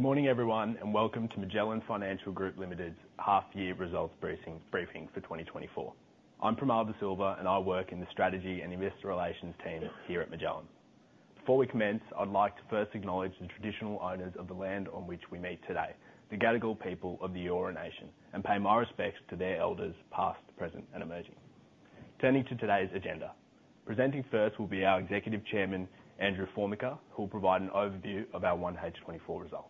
Good morning, everyone, and welcome to Magellan Financial Group Limited's half year results briefing for 2024. I'm Primal De Silva, and I work in the Strategy and Investor Relations team here at Magellan. Before we commence, I'd like to first acknowledge the traditional owners of the land on which we meet today, the Gadigal people of the Eora Nation, and pay my respects to their elders, past, present, and emerging. Turning to today's agenda, presenting first will be our Executive Chairman, Andrew Formica, who will provide an overview of our 1H 2024 results.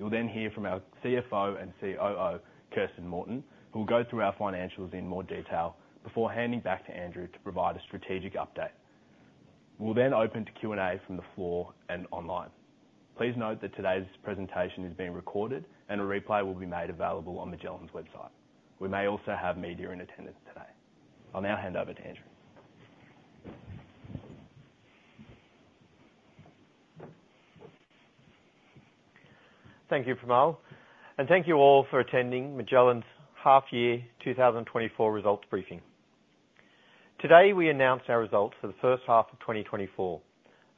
You'll then hear from our CFO and COO, Kirsten Morton, who will go through our financials in more detail before handing back to Andrew to provide a strategic update. We'll then open to Q&A from the floor and online. Please note that today's presentation is being recorded, and a replay will be made available on Magellan's website. We may also have media in attendance today. I'll now hand over to Andrew. Thank you, Primal, and thank you all for attending Magellan's half year 2024 results briefing. Today, we announce our results for the first half of 2024.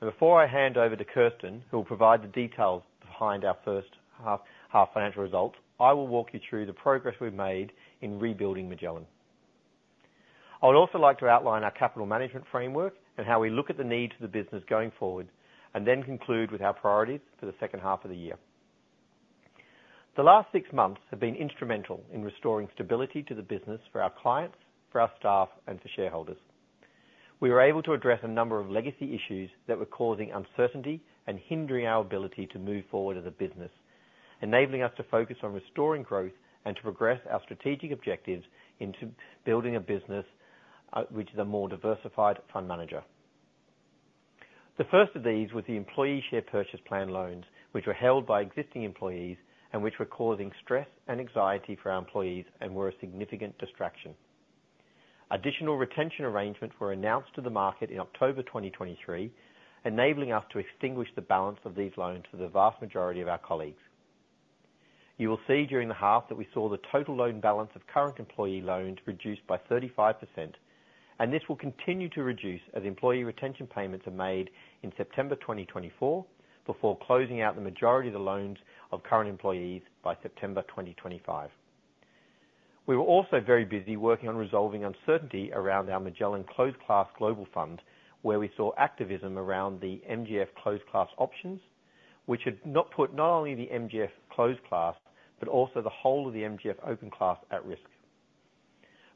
Before I hand over to Kirsten, who will provide the details behind our first half-year financial results, I will walk you through the progress we've made in rebuilding Magellan. I would also like to outline our capital management framework and how we look at the needs of the business going forward, and then conclude with our priorities for the second half of the year. The last six months have been instrumental in restoring stability to the business for our clients, for our staff, and for shareholders. We were able to address a number of legacy issues that were causing uncertainty and hindering our ability to move forward as a business, enabling us to focus on restoring growth and to progress our strategic objectives into building a business, which is a more diversified fund manager. The first of these was the employee share purchase plan loans, which were held by existing employees, and which were causing stress and anxiety for our employees and were a significant distraction. Additional retention arrangements were announced to the market in October 2023, enabling us to extinguish the balance of these loans for the vast majority of our colleagues. You will see during the half that we saw the total loan balance of current employee loans reduced by 35%, and this will continue to reduce as employee retention payments are made in September 2024, before closing out the majority of the loans of current employees by September 2025. We were also very busy working on resolving uncertainty around our Magellan Closed Class Global Fund, where we saw activism around the MGF closed class options, which had not put not only the MGF closed class, but also the whole of the MGF open class at risk.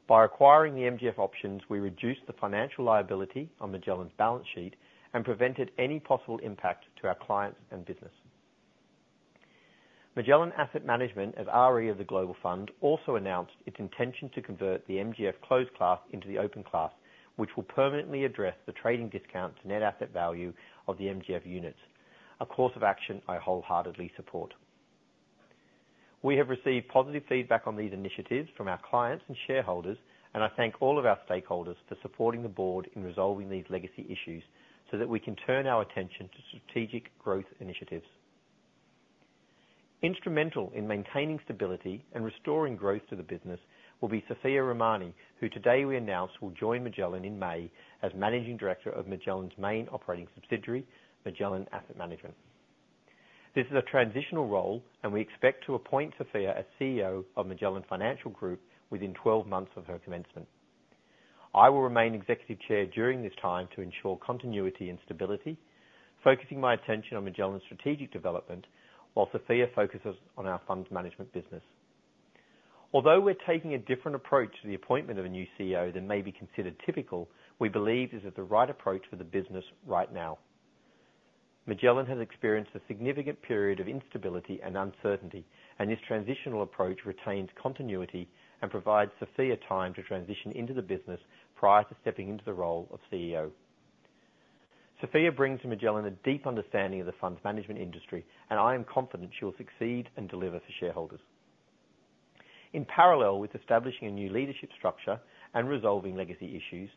By acquiring the MGF options, we reduced the financial liability on Magellan's balance sheet and prevented any possible impact to our clients and business. Magellan Asset Management, as RE of the Global Fund, also announced its intention to convert the MGF closed class into the open class, which will permanently address the trading discount to net asset value of the MGF units, a course of action I wholeheartedly support. We have received positive feedback on these initiatives from our clients and shareholders, and I thank all of our stakeholders for supporting the board in resolving these legacy issues, so that we can turn our attention to strategic growth initiatives. Instrumental in maintaining stability and restoring growth to the business will be Sophia Rahmani, who today we announce will join Magellan in May as Managing Director of Magellan's main operating subsidiary, Magellan Asset Management. This is a transitional role, and we expect to appoint Sophia as CEO of Magellan Financial Group within 12 months of her commencement. I will remain Executive Chair during this time to ensure continuity and stability, focusing my attention on Magellan's strategic development, while Sophia focuses on our funds management business. Although we're taking a different approach to the appointment of a new CEO than may be considered typical, we believe this is the right approach for the business right now. Magellan has experienced a significant period of instability and uncertainty, and this transitional approach retains continuity and provides Sophia time to transition into the business prior to stepping into the role of CEO. Sophia brings to Magellan a deep understanding of the funds management industry, and I am confident she will succeed and deliver for shareholders. In parallel with establishing a new leadership structure and resolving legacy issues,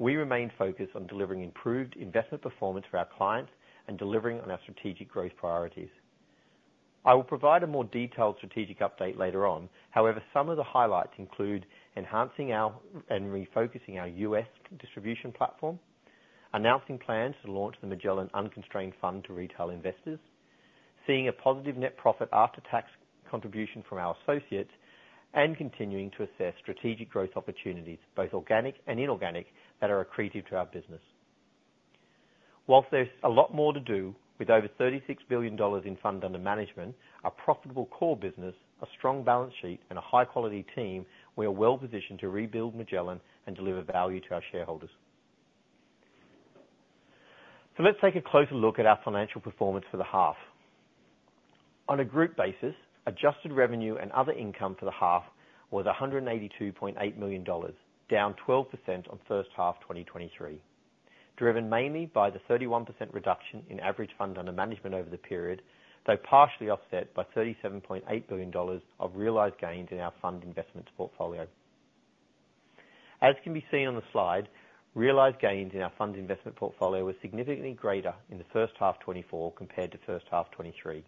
we remain focused on delivering improved investment performance for our clients and delivering on our strategic growth priorities. I will provide a more detailed strategic update later on. However, some of the highlights include: enhancing our, and refocusing our U.S. distribution platform, announcing plans to launch the Magellan Unconstrained Fund to retail investors, seeing a positive net profit after tax contribution from our associates, and continuing to assess strategic growth opportunities, both organic and inorganic, that are accretive to our business. While there's a lot more to do, with over 36 billion dollars in fund under management, a profitable core business, a strong balance sheet, and a high-quality team, we are well positioned to rebuild Magellan and deliver value to our shareholders. So let's take a closer look at our financial performance for the half. On a group basis, adjusted revenue and other income for the half was 182.8 million dollars, down 12% on first half 2023, driven mainly by the 31% reduction in average fund under management over the period, though partially offset by 37.8 billion dollars of realized gains in our fund investments portfolio. As can be seen on the slide, realized gains in our fund investment portfolio were significantly greater in the first half 2024 compared to first half 2023.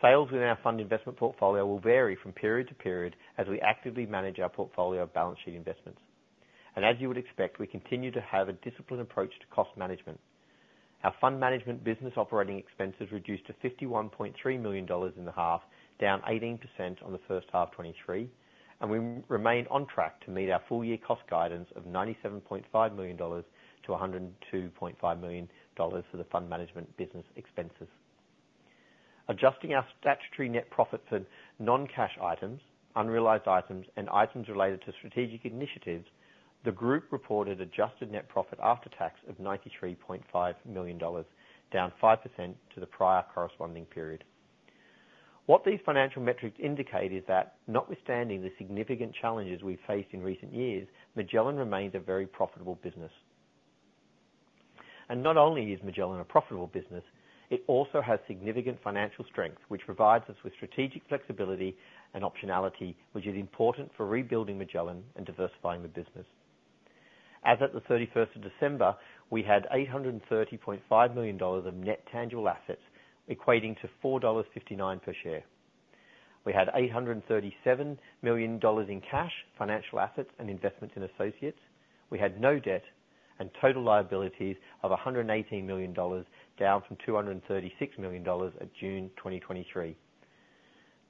Sales within our fund investment portfolio will vary from period to period as we actively manage our portfolio of balance sheet investments.... As you would expect, we continue to have a disciplined approach to cost management. Our fund management business operating expenses reduced to 51.3 million dollars in the half, down 18% on the first half 2023, and we remain on track to meet our full year cost guidance of 97.5 million-102.5 million dollars for the fund management business expenses. Adjusting our statutory net profit for non-cash items, unrealized items, and items related to strategic initiatives, the group reported adjusted net profit after tax of 93.5 million dollars, down 5% to the prior corresponding period. What these financial metrics indicate is that notwithstanding the significant challenges we've faced in recent years, Magellan remains a very profitable business. Not only is Magellan a profitable business, it also has significant financial strength, which provides us with strategic flexibility and optionality, which is important for rebuilding Magellan and diversifying the business. As at the 31st of December, we had 830.5 million dollars of net tangible assets, equating to 4.59 dollars per share. We had 837 million dollars in cash, financial assets, and investments in associates. We had no debt, and total liabilities of 118 million dollars, down from 236 million dollars at June 2023.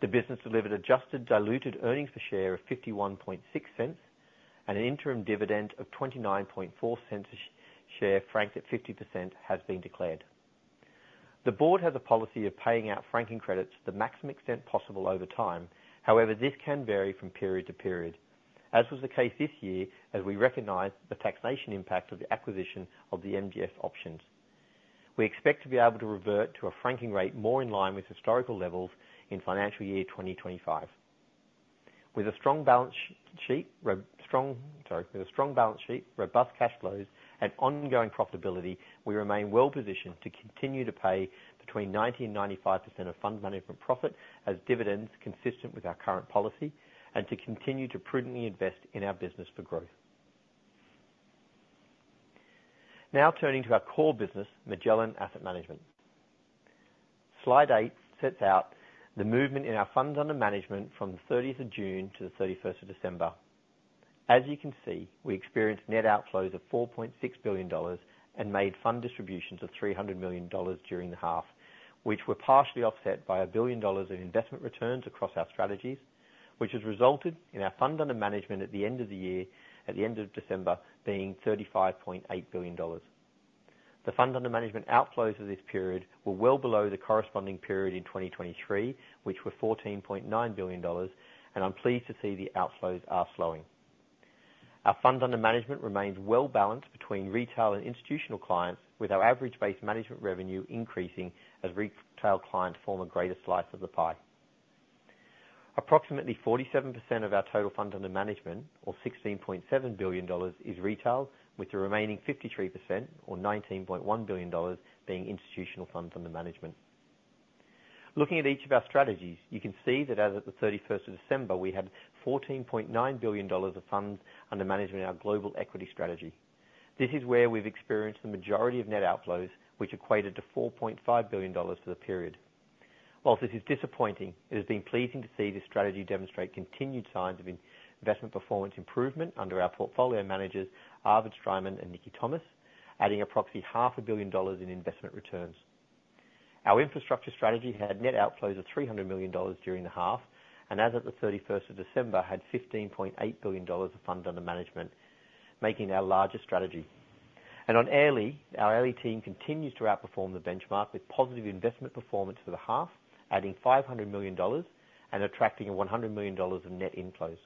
The business delivered adjusted diluted earnings per share of 0.516, and an interim dividend of 0.294 a share, franked at 50%, has been declared. The board has a policy of paying out franking credits to the maximum extent possible over time. However, this can vary from period to period, as was the case this year, as we recognize the taxation impact of the acquisition of the MGF options. We expect to be able to revert to a franking rate more in line with historical levels in financial year 2025. With a strong balance sheet, robust cash flows, and ongoing profitability, we remain well positioned to continue to pay between 90% and 95% of fund money from profit as dividends consistent with our current policy, and to continue to prudently invest in our business for growth. Now, turning to our core business, Magellan Asset Management. Slide 8 sets out the movement in our funds under management from the thirtieth of June to the thirty-first of December. As you can see, we experienced net outflows of 4.6 billion dollars, and made fund distributions of 300 million dollars during the half, which were partially offset by 1 billion dollars in investment returns across our strategies, which has resulted in our fund under management at the end of the year, at the end of December, being 35.8 billion dollars. The fund under management outflows for this period were well below the corresponding period in 2023, which were 14.9 billion dollars, and I'm pleased to see the outflows are slowing. Our funds under management remains well balanced between retail and institutional clients, with our average base management revenue increasing as retail clients form a greater slice of the pie. Approximately 47% of our total fund under management, or 16.7 billion dollars, is retail, with the remaining 53% or 19.1 billion dollars being institutional funds under management. Looking at each of our strategies, you can see that as of the thirty-first of December, we had 14.9 billion dollars of funds under management in our global equity strategy. This is where we've experienced the majority of net outflows, which equated to 4.5 billion dollars for the period. While this is disappointing, it has been pleasing to see this strategy demonstrate continued signs of investment performance improvement under our portfolio managers, Arvid Streimann and Nikki Thomas, adding approximately 500 million dollars in investment returns. Our infrastructure strategy had net outflows of 300 million dollars during the half, and as of the 31st of December, had 15.8 billion dollars of funds under management, making our largest strategy. On Airlie, our Airlie team continues to outperform the benchmark with positive investment performance for the half, adding 500 million dollars and attracting 100 million dollars of net inflows.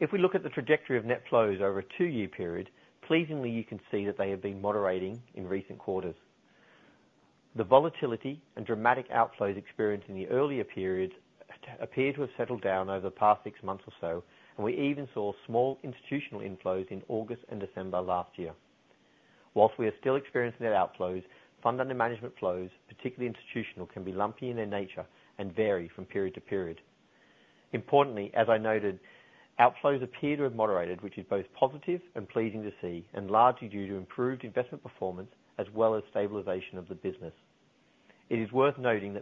If we look at the trajectory of net flows over a two year period, pleasingly, you can see that they have been moderating in recent quarters. The volatility and dramatic outflows experienced in the earlier periods, appear to have settled down over the past six months or so, and we even saw small institutional inflows in August and December last year. While we are still experiencing net outflows, fund under management flows, particularly institutional, can be lumpy in their nature and vary from period to period. Importantly, as I noted, outflows appear to have moderated, which is both positive and pleasing to see, and largely due to improved investment performance as well as stabilization of the business. It is worth noting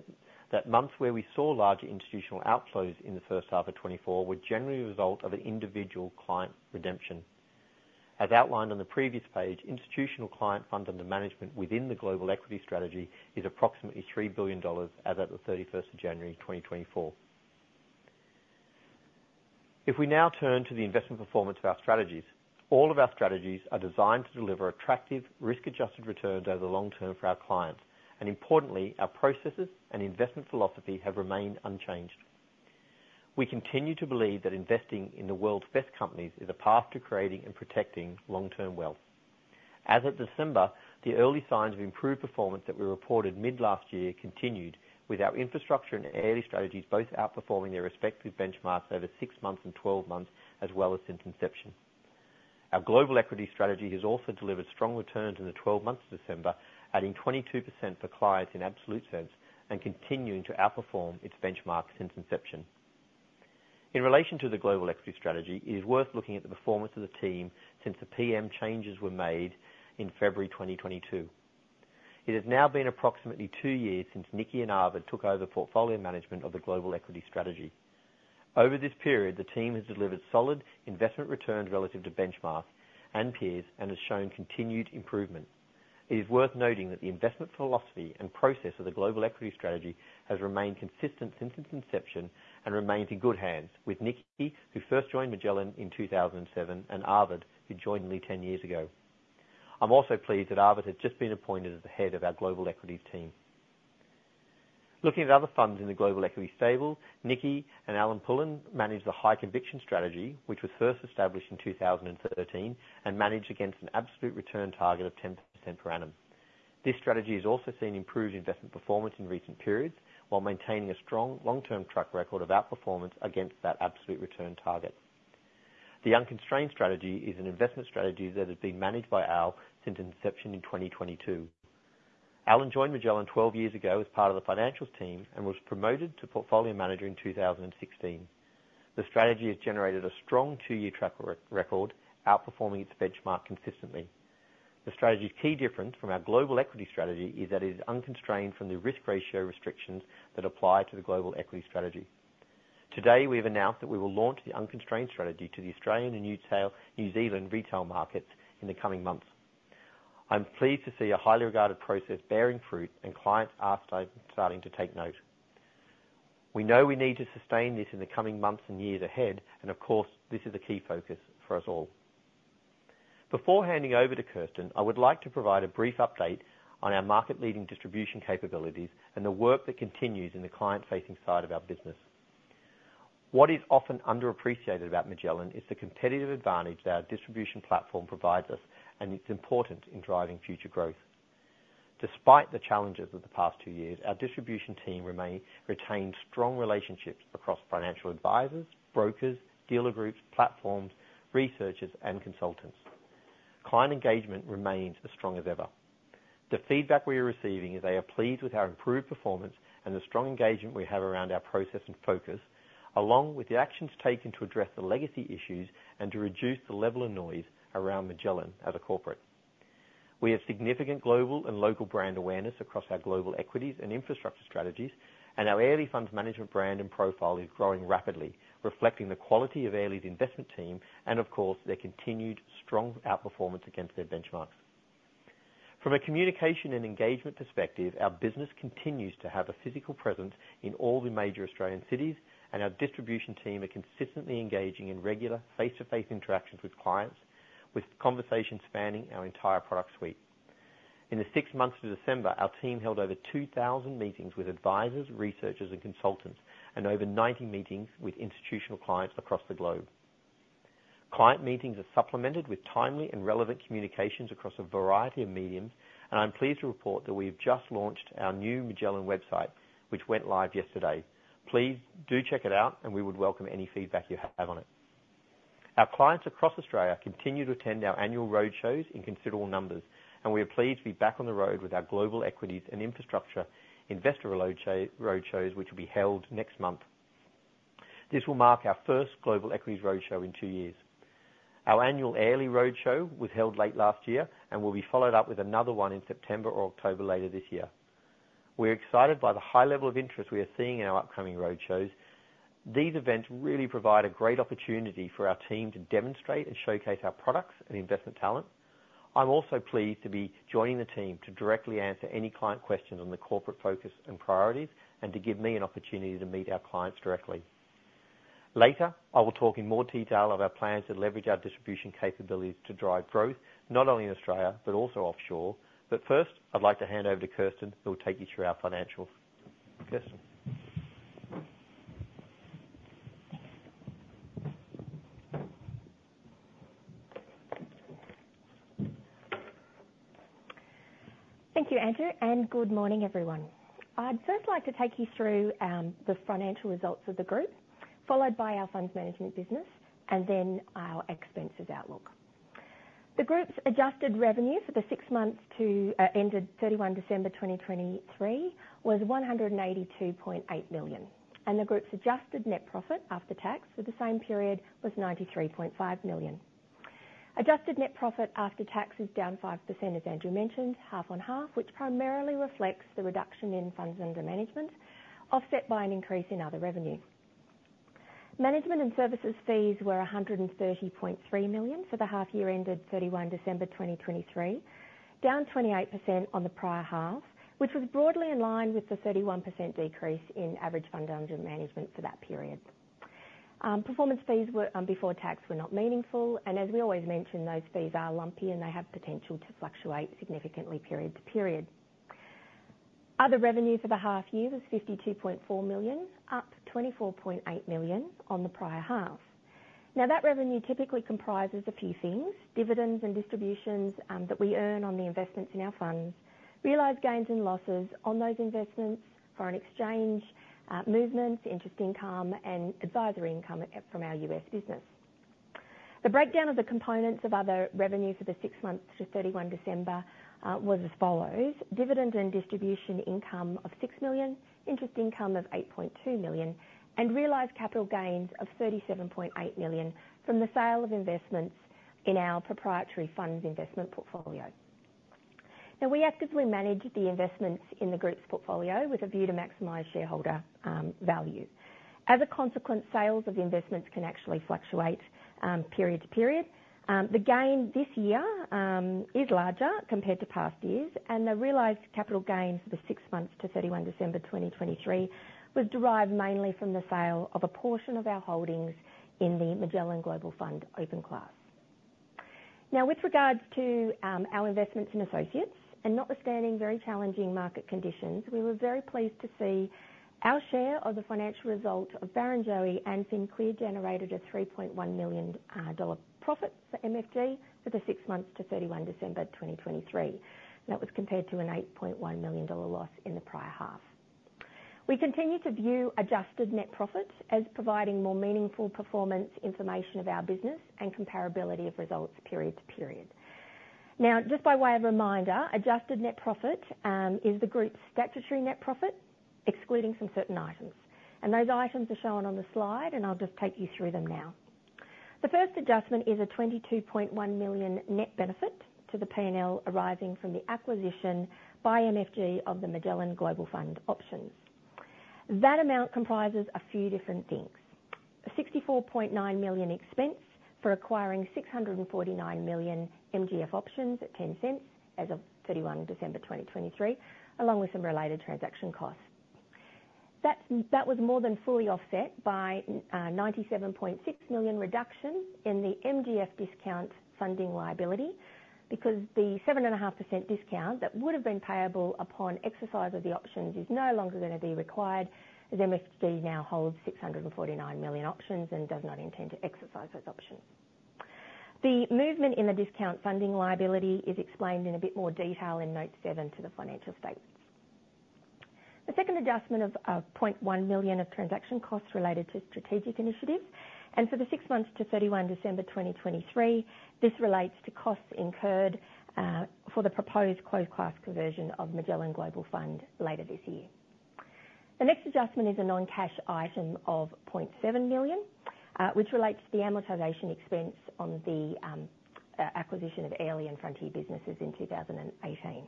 that months where we saw larger institutional outflows in the first half of 2024 were generally a result of an individual client redemption. As outlined on the previous page, institutional client fund under management within the global equity strategy is approximately 3 billion dollars as of the thirty-first of January 2024. If we now turn to the investment performance of our strategies, all of our strategies are designed to deliver attractive, risk-adjusted returns over the long term for our clients, and importantly, our processes and investment philosophy have remained unchanged. We continue to believe that investing in the world's best companies is a path to creating and protecting long-term wealth. As of December, the early signs of improved performance that we reported mid last year continued, with our infrastructure and Airlie strategies both outperforming their respective benchmarks over 6 months and 12 months, as well as since inception. Our global equity strategy has also delivered strong returns in the 12 months to December, adding 22% for clients in absolute sense, and continuing to outperform its benchmark since inception. In relation to the global equity strategy, it is worth looking at the performance of the team since the PM changes were made in February 2022. It has now been approximately two years since Nikki and Arvid took over portfolio management of the global equity strategy. Over this period, the team has delivered solid investment returns relative to benchmark and peers and has shown continued improvement. It is worth noting that the investment philosophy and process of the global equity strategy has remained consistent since its inception and remains in good hands with Nikki, who first joined Magellan in 2007, and Arvid, who joined me 10 years ago. I'm also pleased that Arvid has just been appointed as the head of our global equities team. Looking at other funds in the global equity stable, Nikki and Alan Pullen manage the high conviction strategy, which was first established in 2013, and managed against an absolute return target of 10% per annum. This strategy has also seen improved investment performance in recent periods, while maintaining a strong long-term track record of outperformance against that absolute return target. The unconstrained strategy is an investment strategy that has been managed by Al since inception in 2022. Alan joined Magellan 12 years ago as part of the financials team and was promoted to portfolio manager in 2016. The strategy has generated a strong two year track record, outperforming its benchmark consistently. The strategy's key difference from our global equity strategy is that it is unconstrained from the risk ratio restrictions that apply to the global equity strategy. Today, we've announced that we will launch the unconstrained strategy to the Australian and New Zealand retail markets in the coming months. I'm pleased to see a highly regarded process bearing fruit and clients are starting to take note. We know we need to sustain this in the coming months and years ahead, and of course, this is a key focus for us all. Before handing over to Kirsten, I would like to provide a brief update on our market-leading distribution capabilities and the work that continues in the client-facing side of our business. What is often underappreciated about Magellan is the competitive advantage that our distribution platform provides us, and it's important in driving future growth. Despite the challenges of the past two years, our distribution team retained strong relationships across financial advisors, brokers, dealer groups, platforms, researchers, and consultants. Client engagement remains as strong as ever. The feedback we are receiving is they are pleased with our improved performance and the strong engagement we have around our process and focus, along with the actions taken to address the legacy issues and to reduce the level of noise around Magellan as a corporate. We have significant global and local brand awareness across our global equities and infrastructure strategies, and our Airlie Funds Management brand and profile is growing rapidly, reflecting the quality of Airlie's investment team and of course, their continued strong outperformance against their benchmarks. From a communication and engagement perspective, our business continues to have a physical presence in all the major Australian cities, and our distribution team are consistently engaging in regular face-to-face interactions with clients, with conversations spanning our entire product suite. In the six months to December, our team held over 2,000 meetings with advisors, researchers, and consultants, and over 90 meetings with institutional clients across the globe. Client meetings are supplemented with timely and relevant communications across a variety of mediums, and I'm pleased to report that we've just launched our new Magellan website, which went live yesterday. Please do check it out, and we would welcome any feedback you have on it. Our clients across Australia continue to attend our annual roadshows in considerable numbers, and we are pleased to be back on the road with our global equities and infrastructure investor roadshows, which will be held next month. This will mark our first global equities roadshow in 2 years. Our annual Airlie Roadshow was held late last year, and will be followed up with another one in September or October later this year. We're excited by the high level of interest we are seeing in our upcoming roadshows. These events really provide a great opportunity for our team to demonstrate and showcase our products and investment talent. I'm also pleased to be joining the team to directly answer any client questions on the corporate focus and priorities, and to give me an opportunity to meet our clients directly. Later, I will talk in more detail of our plans to leverage our distribution capabilities to drive growth, not only in Australia but also offshore. But first, I'd like to hand over to Kirsten, who will take you through our financials. Kirsten? Thank you, Andrew, and good morning, everyone. I'd first like to take you through the financial results of the group, followed by our funds management business, and then our expenses outlook. The group's adjusted revenue for the six months ended 31 December 2023 was 182.8 million, and the group's adjusted net profit after tax for the same period was 93.5 million. Adjusted net profit after tax is down 5%, as Andrew mentioned, half on half, which primarily reflects the reduction in funds under management, offset by an increase in other revenue. Management and services fees were 130.3 million for the half year ended 31 December 2023, down 28% on the prior half, which was broadly in line with the 31% decrease in average fund under management for that period. Performance fees were, before tax were not meaningful, and as we always mention, those fees are lumpy, and they have potential to fluctuate significantly period to period. Other revenue for the half year was 52.4 million, up 24.8 million on the prior half. Now, that revenue typically comprises a few things: dividends and distributions, that we earn on the investments in our funds, realized gains and losses on those investments, foreign exchange, movements, interest income, and advisory income from our U.S. business. The breakdown of the components of other revenue for the six months to 31 December was as follows: dividend and distribution income of 6 million, interest income of 8.2 million, and realized capital gains of 37.8 million from the sale of investments in our proprietary funds investment portfolio. Now, we actively manage the investments in the group's portfolio with a view to maximize shareholder value. As a consequence, sales of investments can actually fluctuate, period to period. The gain this year is larger compared to past years, and the realized capital gains for the six months to 31 December 2023 was derived mainly from the sale of a portion of our holdings in the Magellan Global Fund open class. Now, with regards to our investments in associates, and notwithstanding very challenging market conditions, we were very pleased to see our share of the financial result of Barrenjoey and FinClear generated a 3.1 million dollar profit for MFG for the six months to 31 December 2023. That was compared to an 8.1 million dollar loss in the prior half. We continue to view adjusted net profits as providing more meaningful performance information of our business and comparability of results period to period. Now, just by way of reminder, adjusted net profit is the group's statutory net profit, excluding some certain items, and those items are shown on the slide, and I'll just take you through them now. The first adjustment is a 22.1 million net benefit to the P&L, arising from the acquisition by MFG of the Magellan Global Fund options. That amount comprises a few different things: a 64.9 million expense for acquiring 649 million MGF options at 0.10 as of 31 December 2023, along with some related transaction costs. That, that was more than fully offset by 97.6 million reduction in the MGF discount funding liability, because the 7.5% discount that would have been payable upon exercise of the options is no longer going to be required, as MGF now holds 649 million options and does not intend to exercise those options. The movement in the discount funding liability is explained in a bit more detail in Note 7 to the financial statements. The second adjustment of 0.1 million of transaction costs related to strategic initiatives, and for the six months to 31 December 2023, this relates to costs incurred for the proposed closed class conversion of Magellan Global Fund later this year. The next adjustment is a non-cash item of 0.7 million, which relates to the amortization expense on the acquisition of Airlie and Frontier businesses in 2018.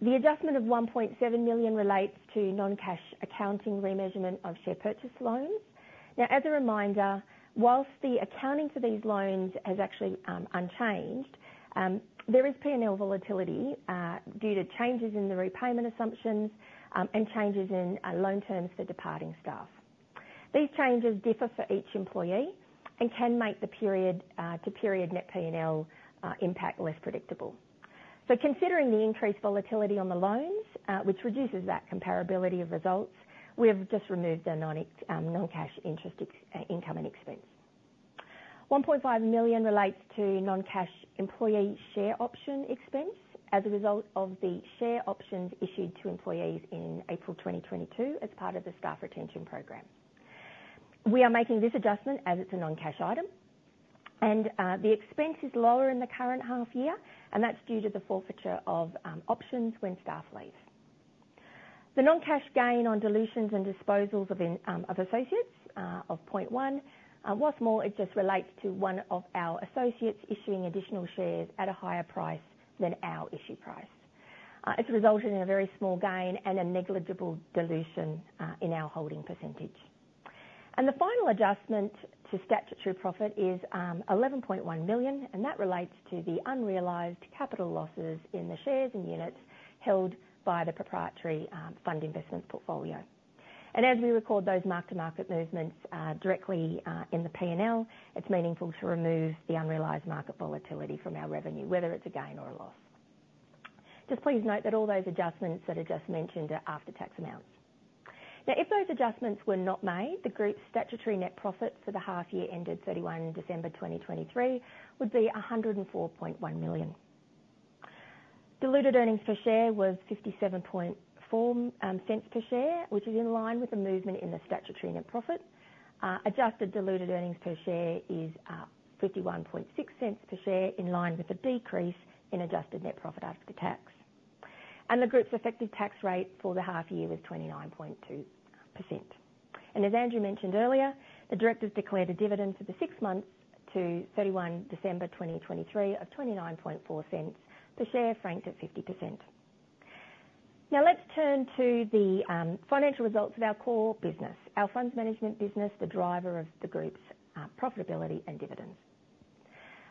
The adjustment of 1.7 million relates to non-cash accounting remeasurement of share purchase loans. Now, as a reminder, while the accounting for these loans has actually unchanged, there is P&L volatility due to changes in the repayment assumptions and changes in loan terms for departing staff. These changes differ for each employee and can make the period to period net P&L impact less predictable. So considering the increased volatility on the loans, which reduces that comparability of results, we have just removed the non-cash interest income and expense. 1.5 million relates to non-cash employee share option expense as a result of the share options issued to employees in April 2022 as part of the staff retention program. We are making this adjustment as it's a non-cash item, and, the expense is lower in the current half year, and that's due to the forfeiture of, options when staff leave. The non-cash gain on dilutions and disposals of associates of 0.1, once more, it just relates to one of our associates issuing additional shares at a higher price than our issue price. It's resulted in a very small gain and a negligible dilution, in our holding percentage. The final adjustment to statutory profit is 11.1 million, and that relates to the unrealized capital losses in the shares and units held by the proprietary fund investments portfolio. As we record those mark-to-market movements directly in the P&L, it's meaningful to remove the unrealized market volatility from our revenue, whether it's a gain or a loss. Just please note that all those adjustments that are just mentioned are after-tax amounts. Now, if those adjustments were not made, the group's statutory net profits for the half year ended 31 December 2023 would be 104.1 million. Diluted earnings per share was 0.574 per share, which is in line with the movement in the statutory net profit. Adjusted diluted earnings per share is 0.516 per share, in line with the decrease in adjusted net profit after tax. The group's effective tax rate for the half year was 29.2%. As Andrew mentioned earlier, the directors declared a dividend for the six months to 31 December 2023 of 0.294 per share, franked at 50%. Now, let's turn to the financial results of our core business, our funds management business, the driver of the group's profitability and dividends.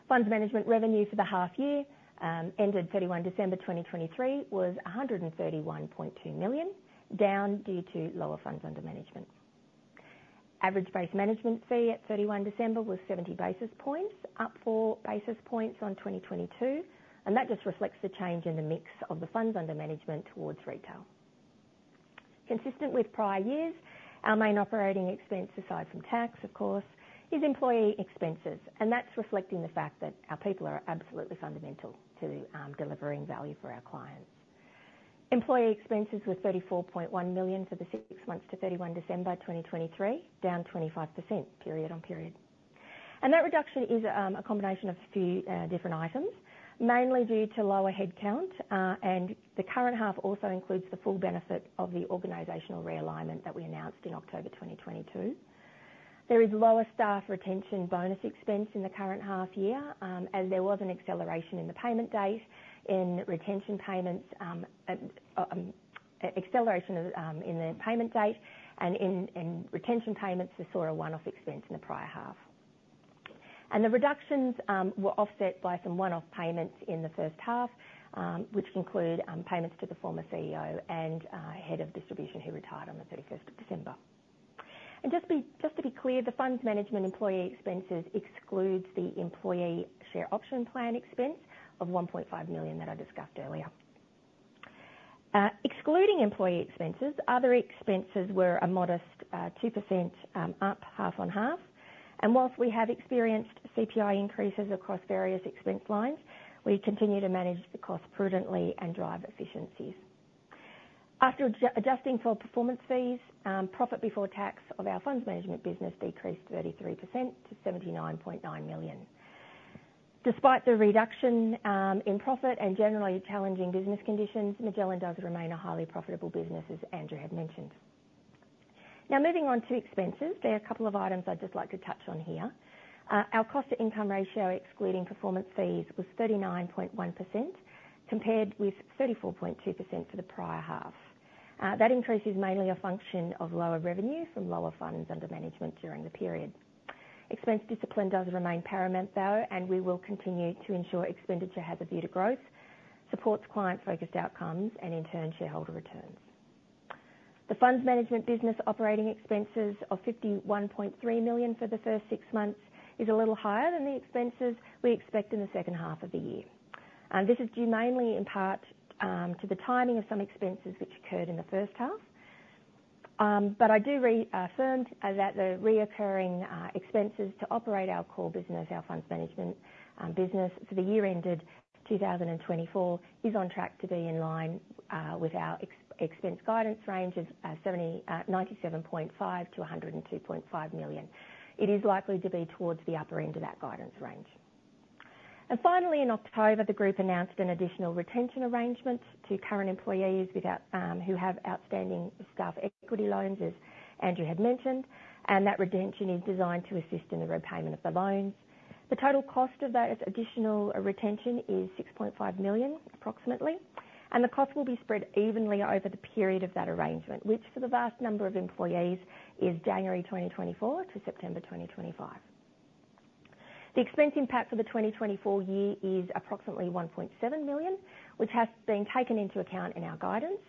Funds management revenue for the half year ended 31 December 2023 was 131.2 million, down due to lower funds under management. Average base management fee at 31 December was 70 basis points, up 4 basis points on 2022, and that just reflects the change in the mix of the funds under management towards retail. Consistent with prior years, our main operating expense, aside from tax, of course, is employee expenses, and that's reflecting the fact that our people are absolutely fundamental to delivering value for our clients. Employee expenses were 34.1 million for the six months to 31 December 2023, down 25% period on period. That reduction is a combination of a few different items, mainly due to lower headcount, and the current half also includes the full benefit of the organizational realignment that we announced in October 2022. There is lower staff retention bonus expense in the current half year, as there was an acceleration in the payment date in retention payments, we saw a one-off expense in the prior half. The reductions were offset by some one-off payments in the first half, which include payments to the former CEO and head of distribution, who retired on the 31st of December. And just to be clear, the funds management employee expenses excludes the employee share option plan expense of 1.5 million that I discussed earlier. Excluding employee expenses, other expenses were a modest 2%, up half on half. And while we have experienced CPI increases across various expense lines, we continue to manage the cost prudently and drive efficiencies. After adjusting for performance fees, profit before tax of our funds management business decreased 33% to 79.9 million. Despite the reduction in profit and generally challenging business conditions, Magellan does remain a highly profitable business, as Andrew had mentioned. Now, moving on to expenses, there are a couple of items I'd just like to touch on here. Our cost to income ratio, excluding performance fees, was 39.1%, compared with 34.2% for the prior half. That increase is mainly a function of lower revenue from lower funds under management during the period. Expense discipline does remain paramount, though, and we will continue to ensure expenditure has a view to growth, supports client-focused outcomes, and in turn, shareholder returns. The funds management business operating expenses of 51.3 million for the first six months is a little higher than the expenses we expect in the second half of the year. And this is due mainly in part, to the timing of some expenses which occurred in the first half. But I do affirm that the recurring expenses to operate our core business, our funds management business for the year ended 2024, is on track to be in line with our expense guidance range of 97.5 million-102.5 million. It is likely to be towards the upper end of that guidance range. And finally, in October, the group announced an additional retention arrangement to current employees who have outstanding staff equity loans, as Andrew had mentioned, and that retention is designed to assist in the repayment of the loans. The total cost of that additional retention is 6.5 million, approximately, and the cost will be spread evenly over the period of that arrangement, which, for the vast number of employees, is January 2024 to September 2025. The expense impact for the 2024 year is approximately 1.7 million, which has been taken into account in our guidance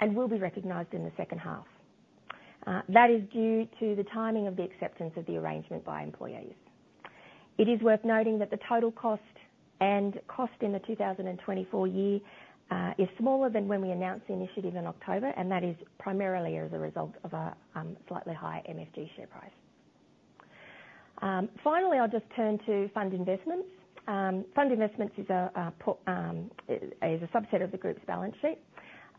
and will be recognized in the second half. That is due to the timing of the acceptance of the arrangement by employees. It is worth noting that the total cost and cost in the 2024 year is smaller than when we announced the initiative in October, and that is primarily as a result of a slightly higher MFG share price. Finally, I'll just turn to fund investments. Fund investments is a subset of the group's balance sheet,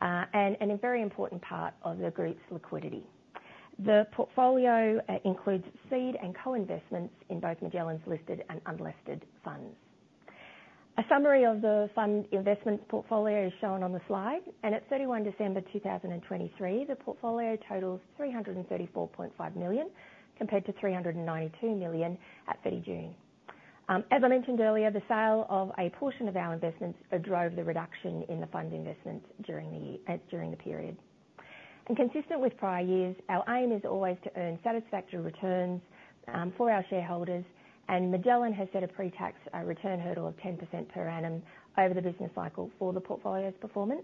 and a very important part of the group's liquidity. The portfolio includes seed and co-investments in both Magellan's listed and unlisted funds. A summary of the fund investments portfolio is shown on the slide, and at 31 December 2023, the portfolio totals 334.5 million, compared to 392 million at 30 June. As I mentioned earlier, the sale of a portion of our investments drove the reduction in the fund investments during the period. Consistent with prior years, our aim is always to earn satisfactory returns for our shareholders, and Magellan has set a pre-tax return hurdle of 10% per annum over the business cycle for the portfolio's performance.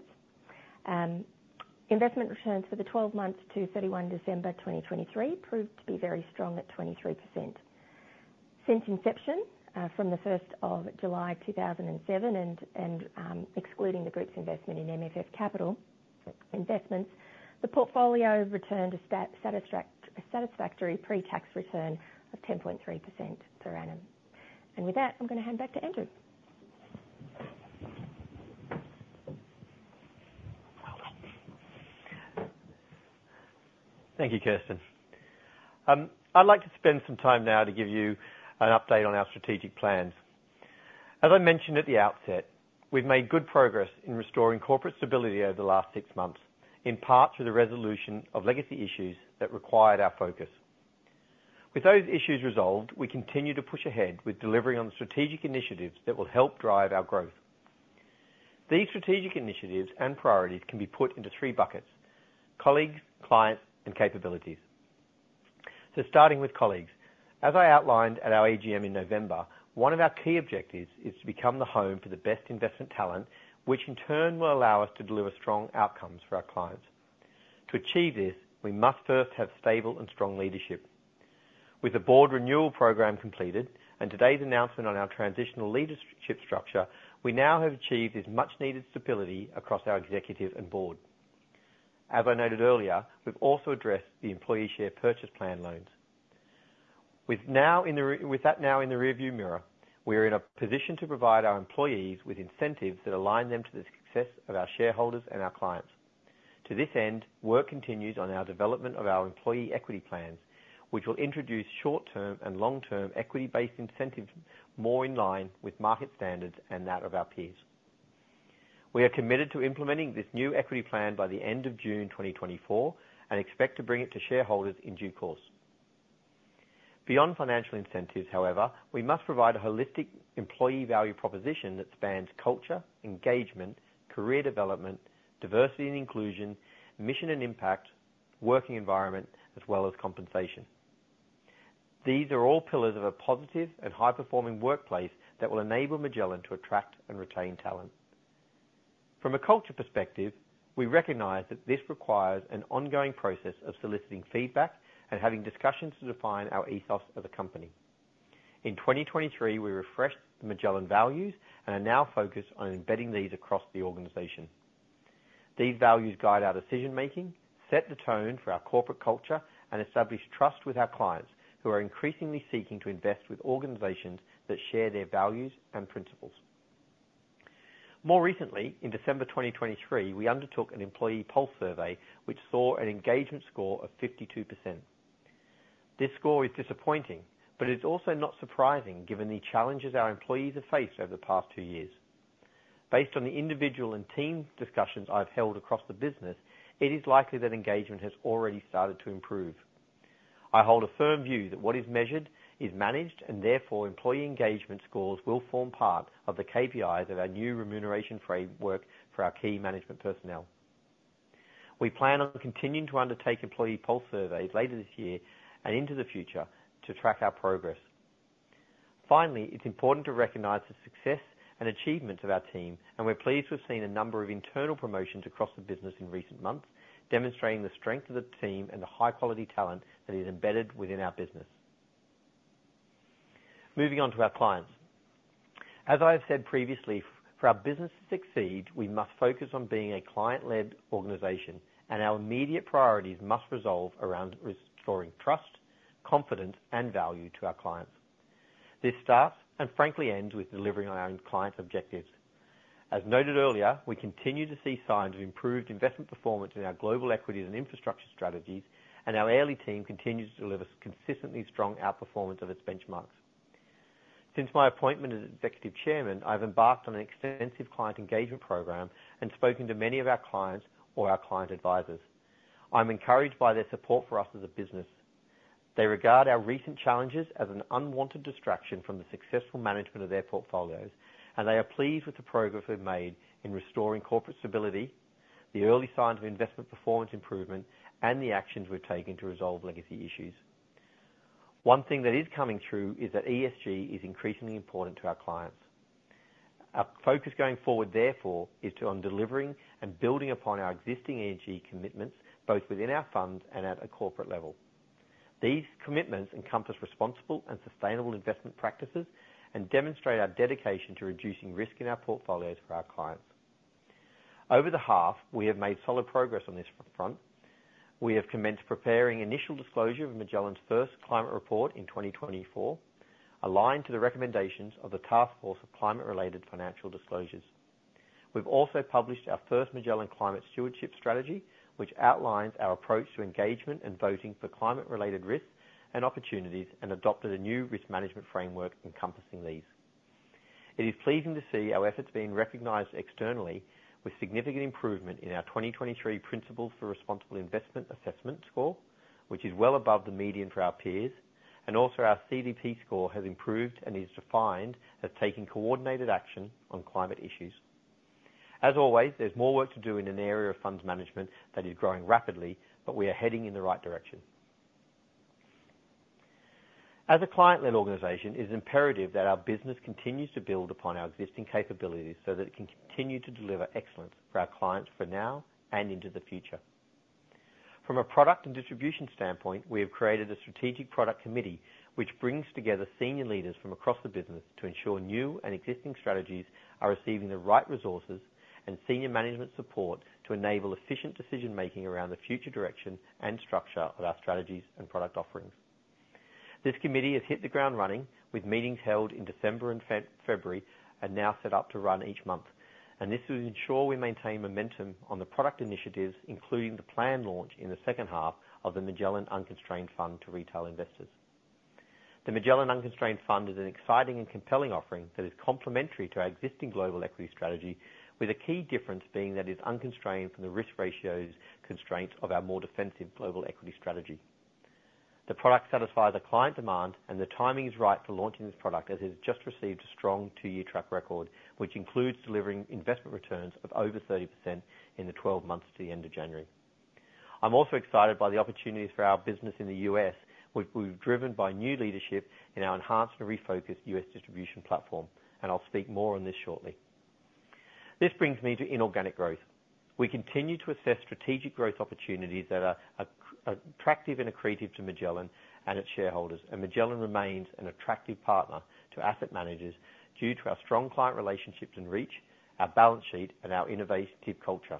Investment returns for the 12 months to 31 December 2023 proved to be very strong at 23%. Since inception from 1 July 2007, excluding the group's investment in MFF Capital Investments, the portfolio returned a satisfactory pre-tax return of 10.3% per annum. With that, I'm gonna hand back to Andrew. Thank you, Kirsten. I'd like to spend some time now to give you an update on our strategic plans. As I mentioned at the outset, we've made good progress in restoring corporate stability over the last six months, in part through the resolution of legacy issues that required our focus. With those issues resolved, we continue to push ahead with delivering on the strategic initiatives that will help drive our growth. These strategic initiatives and priorities can be put into three buckets: colleagues, clients, and capabilities. So starting with colleagues, as I outlined at our AGM in November, one of our key objectives is to become the home for the best investment talent, which in turn will allow us to deliver strong outcomes for our clients. To achieve this, we must first have stable and strong leadership. With the board renewal program completed and today's announcement on our transitional leadership structure, we now have achieved this much-needed stability across our executive and board. As I noted earlier, we've also addressed the employee share purchase plan loans. With that now in the rearview mirror, we are in a position to provide our employees with incentives that align them to the success of our shareholders and our clients. To this end, work continues on our development of our employee equity plans, which will introduce short-term and long-term equity-based incentives more in line with market standards and that of our peers. We are committed to implementing this new equity plan by the end of June 2024, and expect to bring it to shareholders in due course. Beyond financial incentives, however, we must provide a holistic employee value proposition that spans culture, engagement, career development, diversity and inclusion, mission and impact, working environment, as well as compensation. These are all pillars of a positive and high-performing workplace that will enable Magellan to attract and retain talent. From a culture perspective, we recognize that this requires an ongoing process of soliciting feedback and having discussions to define our ethos as a company. In 2023, we refreshed the Magellan values and are now focused on embedding these across the organization. These values guide our decision making, set the tone for our corporate culture, and establish trust with our clients, who are increasingly seeking to invest with organizations that share their values and principles. More recently, in December 2023, we undertook an employee pulse survey, which saw an engagement score of 52%. This score is disappointing, but it's also not surprising given the challenges our employees have faced over the past two years. Based on the individual and team discussions I've held across the business, it is likely that engagement has already started to improve. I hold a firm view that what is measured is managed, and therefore, employee engagement scores will form part of the KPIs of our new remuneration framework for our key management personnel. We plan on continuing to undertake employee pulse surveys later this year and into the future to track our progress. Finally, it's important to recognize the success and achievements of our team, and we're pleased with seeing a number of internal promotions across the business in recent months, demonstrating the strength of the team and the high-quality talent that is embedded within our business. Moving on to our clients. As I've said previously, for our business to succeed, we must focus on being a client-led organization, and our immediate priorities must resolve around restoring trust, confidence, and value to our clients. This starts, and frankly, ends, with delivering on our own client objectives. As noted earlier, we continue to see signs of improved investment performance in our global equities and infrastructure strategies, and our early team continues to deliver consistently strong outperformance of its benchmarks. Since my appointment as executive chairman, I've embarked on an extensive client engagement program and spoken to many of our clients or our client advisors. I'm encouraged by their support for us as a business. They regard our recent challenges as an unwanted distraction from the successful management of their portfolios, and they are pleased with the progress we've made in restoring corporate stability, the early signs of investment performance improvement, and the actions we're taking to resolve legacy issues. One thing that is coming through is that ESG is increasingly important to our clients. Our focus going forward, therefore, is on delivering and building upon our existing ESG commitments, both within our funds and at a corporate level. These commitments encompass responsible and sustainable investment practices, and demonstrate our dedication to reducing risk in our portfolios for our clients. Over the half, we have made solid progress on this front. We have commenced preparing initial disclosure of Magellan's first climate report in 2024, aligned to the recommendations of the Task Force on Climate-related Financial Disclosures. We've also published our first Magellan Climate Stewardship Strategy, which outlines our approach to engagement and voting for climate-related risks and opportunities, and adopted a new risk management framework encompassing these. It is pleasing to see our efforts being recognized externally with significant improvement in our 2023 Principles for Responsible Investment Assessment score, which is well above the median for our peers, and also our CDP score has improved and is defined as taking coordinated action on climate issues. As always, there's more work to do in an area of funds management that is growing rapidly, but we are heading in the right direction. As a client-led organization, it is imperative that our business continues to build upon our existing capabilities so that it can continue to deliver excellence for our clients for now and into the future. From a product and distribution standpoint, we have created a strategic product committee, which brings together senior leaders from across the business to ensure new and existing strategies are receiving the right resources and senior management support to enable efficient decision-making around the future direction and structure of our strategies and product offerings. This committee has hit the ground running, with meetings held in December and February, and now set up to run each month. This will ensure we maintain momentum on the product initiatives, including the planned launch in the second half of the Magellan Unconstrained Fund to retail investors. The Magellan Unconstrained Fund is an exciting and compelling offering that is complementary to our existing global equity strategy, with a key difference being that it's unconstrained from the risk ratios constraints of our more defensive global equity strategy. The product satisfies a client demand, and the timing is right for launching this product, as it has just received a strong two year track record, which includes delivering investment returns of over 30% in the 12 months to the end of January. I'm also excited by the opportunities for our business in the U.S., which we've driven by new leadership in our enhanced and refocused U.S. distribution platform, and I'll speak more on this shortly. This brings me to inorganic growth. We continue to assess strategic growth opportunities that are attractive and accretive to Magellan and its shareholders, and Magellan remains an attractive partner to asset managers due to our strong client relationships and reach, our balance sheet, and our innovative culture.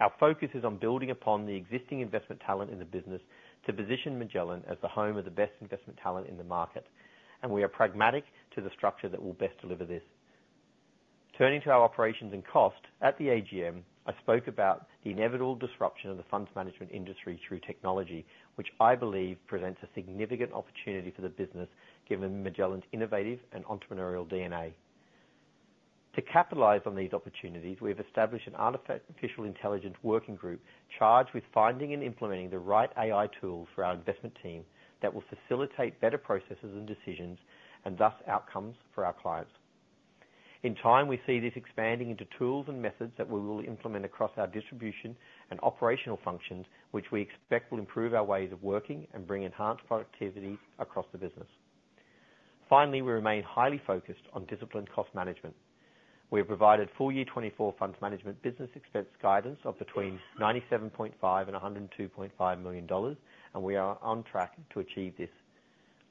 Our focus is on building upon the existing investment talent in the business to position Magellan as the home of the best investment talent in the market, and we are pragmatic to the structure that will best deliver this. Turning to our operations and cost, at the AGM, I spoke about the inevitable disruption of the funds management industry through technology, which I believe presents a significant opportunity for the business, given Magellan's innovative and entrepreneurial DNA. To capitalize on these opportunities, we've established an artificial intelligence working group, charged with finding and implementing the right AI tools for our investment team, that will facilitate better processes and decisions, and thus outcomes for our clients. In time, we see this expanding into tools and methods that we will implement across our distribution and operational functions, which we expect will improve our ways of working and bring enhanced productivity across the business. Finally, we remain highly focused on disciplined cost management. We have provided full year 2024 fund management business expense guidance of between 97.5 million and 102.5 million dollars, and we are on track to achieve this.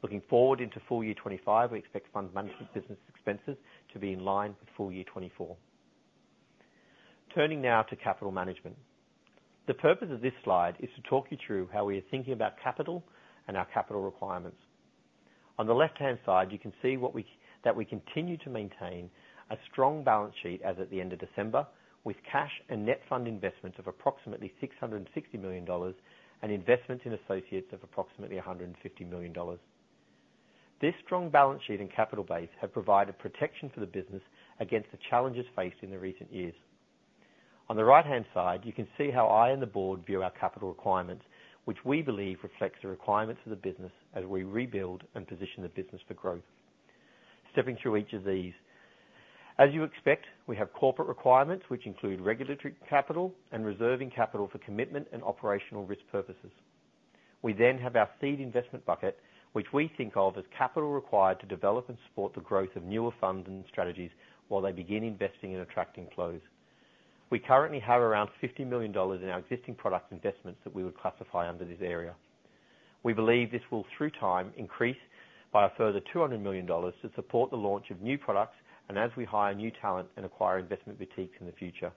Looking forward into full year 2025, we expect fund management business expenses to be in line with full year 2024. Turning now to capital management. The purpose of this slide is to talk you through how we are thinking about capital and our capital requirements. On the left-hand side, you can see that we continue to maintain a strong balance sheet as at the end of December, with cash and net fund investments of approximately 660 million dollars, and investments in associates of approximately 150 million dollars. This strong balance sheet and capital base have provided protection for the business against the challenges faced in the recent years. On the right-hand side, you can see how I and the board view our capital requirements, which we believe reflects the requirements of the business as we rebuild and position the business for growth. Stepping through each of these. As you expect, we have corporate requirements, which include regulatory capital and reserving capital for commitment and operational risk purposes. We then have our seed investment bucket, which we think of as capital required to develop and support the growth of newer funds and strategies, while they begin investing and attracting flows. We currently have around 50 million dollars in our existing product investments that we would classify under this area. We believe this will, through time, increase by a further 200 million dollars to support the launch of new products, and as we hire new talent and acquire investment boutiques in the future.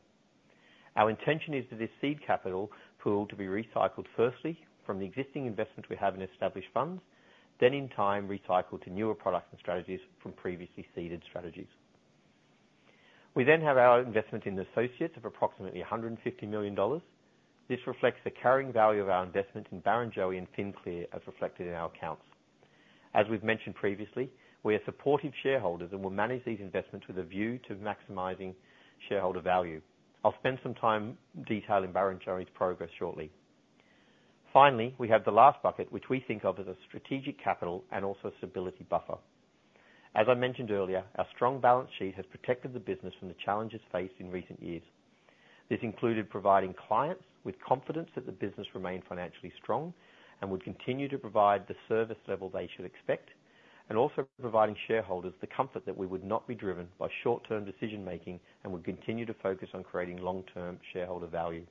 Our intention is for this seed capital pool to be recycled firstly, from the existing investments we have in established funds, then in time, recycled to newer products and strategies from previously seeded strategies. We then have our investment in associates of approximately 150 million dollars. This reflects the carrying value of our investment in Barrenjoey and FinClear, as reflected in our accounts. As we've mentioned previously, we are supportive shareholders and will manage these investments with a view to maximizing shareholder value. I'll spend some time detailing Barrenjoey's progress shortly. Finally, we have the last bucket, which we think of as a strategic capital and also stability buffer. As I mentioned earlier, our strong balance sheet has protected the business from the challenges faced in recent years. This included providing clients with confidence that the business remained financially strong, and would continue to provide the service level they should expect, and also providing shareholders the comfort that we would not be driven by short-term decision making, and would continue to focus on creating long-term shareholder value.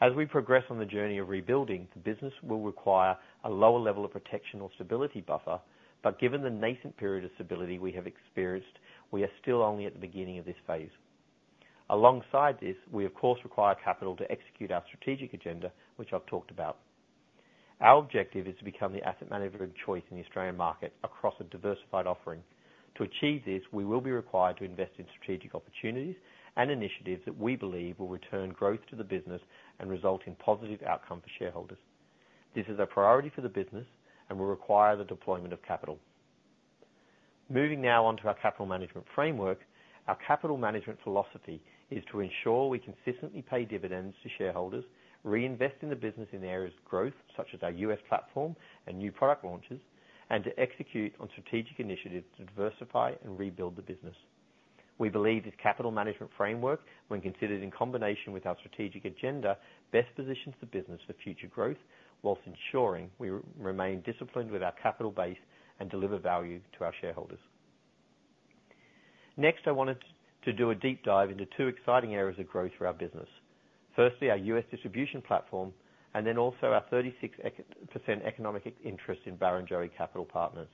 As we progress on the journey of rebuilding, the business will require a lower level of protection or stability buffer, but given the nascent period of stability we have experienced, we are still only at the beginning of this phase. Alongside this, we of course require capital to execute our strategic agenda, which I've talked about. Our objective is to become the asset manager of choice in the Australian market across a diversified offering. To achieve this, we will be required to invest in strategic opportunities and initiatives that we believe will return growth to the business and result in positive outcome for shareholders. This is a priority for the business, and will require the deployment of capital. Moving now on to our capital management framework. Our capital management philosophy is to ensure we consistently pay dividends to shareholders, reinvest in the business in areas of growth, such as our U.S. platform and new product launches, and to execute on strategic initiatives to diversify and rebuild the business. We believe this capital management framework, when considered in combination with our strategic agenda, best positions the business for future growth, while ensuring we remain disciplined with our capital base and deliver value to our shareholders. Next, I wanted to do a deep dive into two exciting areas of growth for our business. Firstly, our U.S. distribution platform, and then also our 36% economic interest in Barrenjoey Capital Partners.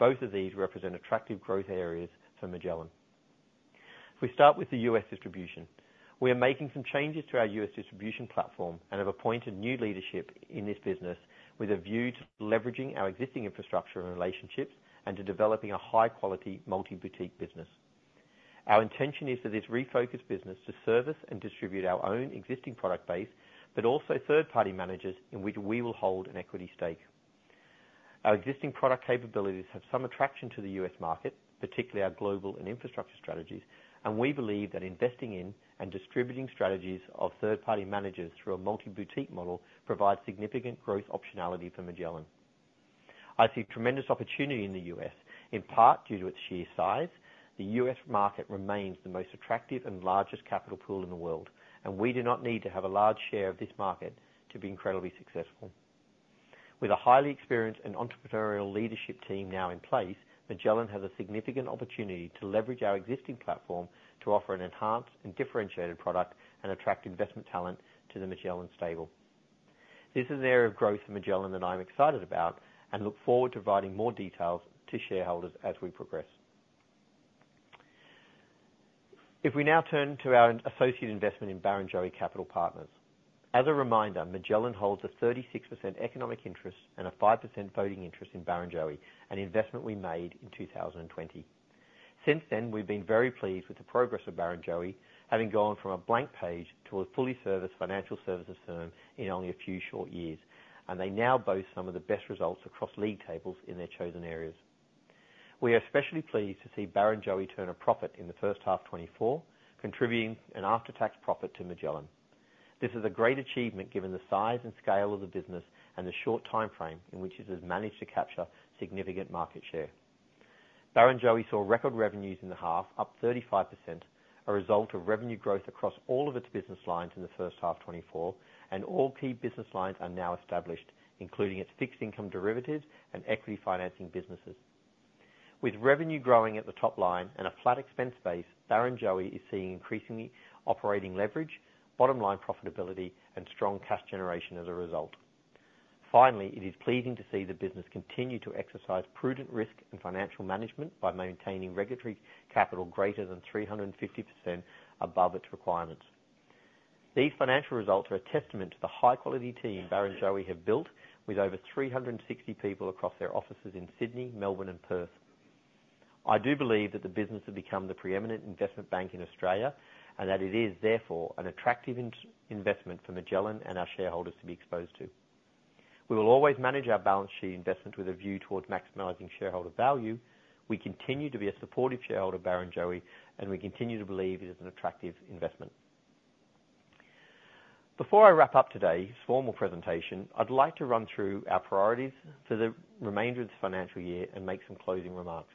Both of these represent attractive growth areas for Magellan. If we start with the U.S. distribution, we are making some changes to our U.S. distribution platform and have appointed new leadership in this business, with a view to leveraging our existing infrastructure and relationships, and to developing a high-quality multi-boutique business. Our intention is for this refocused business to service and distribute our own existing product base, but also third-party managers, in which we will hold an equity stake. Our existing product capabilities have some attraction to the U.S. market, particularly our global and infrastructure strategies, and we believe that investing in and distributing strategies of third-party managers through a multi-boutique model, provides significant growth optionality for Magellan. I see tremendous opportunity in the U.S., in part due to its sheer size. The U.S. market remains the most attractive and largest capital pool in the world, and we do not need to have a large share of this market to be incredibly successful. With a highly experienced and entrepreneurial leadership team now in place, Magellan has a significant opportunity to leverage our existing platform to offer an enhanced and differentiated product and attract investment talent to the Magellan stable. This is an area of growth for Magellan that I'm excited about, and look forward to providing more details to shareholders as we progress. If we now turn to our associate investment in Barrenjoey Capital Partners. As a reminder, Magellan holds a 36% economic interest and a 5% voting interest in Barrenjoey, an investment we made in 2020. Since then, we've been very pleased with the progress of Barrenjoey, having gone from a blank page to a fully serviced financial services firm in only a few short years, and they now boast some of the best results across league tables in their chosen areas. We are especially pleased to see Barrenjoey turn a profit in the first half 2024, contributing an after-tax profit to Magellan. This is a great achievement, given the size and scale of the business and the short timeframe in which it has managed to capture significant market share. Barrenjoey saw record revenues in the half, up 35%, a result of revenue growth across all of its business lines in the first half 2024, and all key business lines are now established, including its fixed income derivatives and equity financing businesses. With revenue growing at the top line and a flat expense base, Barrenjoey is seeing increasingly operating leverage, bottom-line profitability, and strong cash generation as a result. Finally, it is pleasing to see the business continue to exercise prudent risk and financial management by maintaining regulatory capital greater than 350% above its requirements. These financial results are a testament to the high-quality team Barrenjoey have built, with over 360 people across their offices in Sydney, Melbourne, and Perth. I do believe that the business has become the preeminent investment bank in Australia, and that it is therefore an attractive investment for Magellan and our shareholders to be exposed to. We will always manage our balance sheet investment with a view towards maximizing shareholder value. We continue to be a supportive shareholder of Barrenjoey, and we continue to believe it is an attractive investment. Before I wrap up today's formal presentation, I'd like to run through our priorities for the remainder of this financial year and make some closing remarks.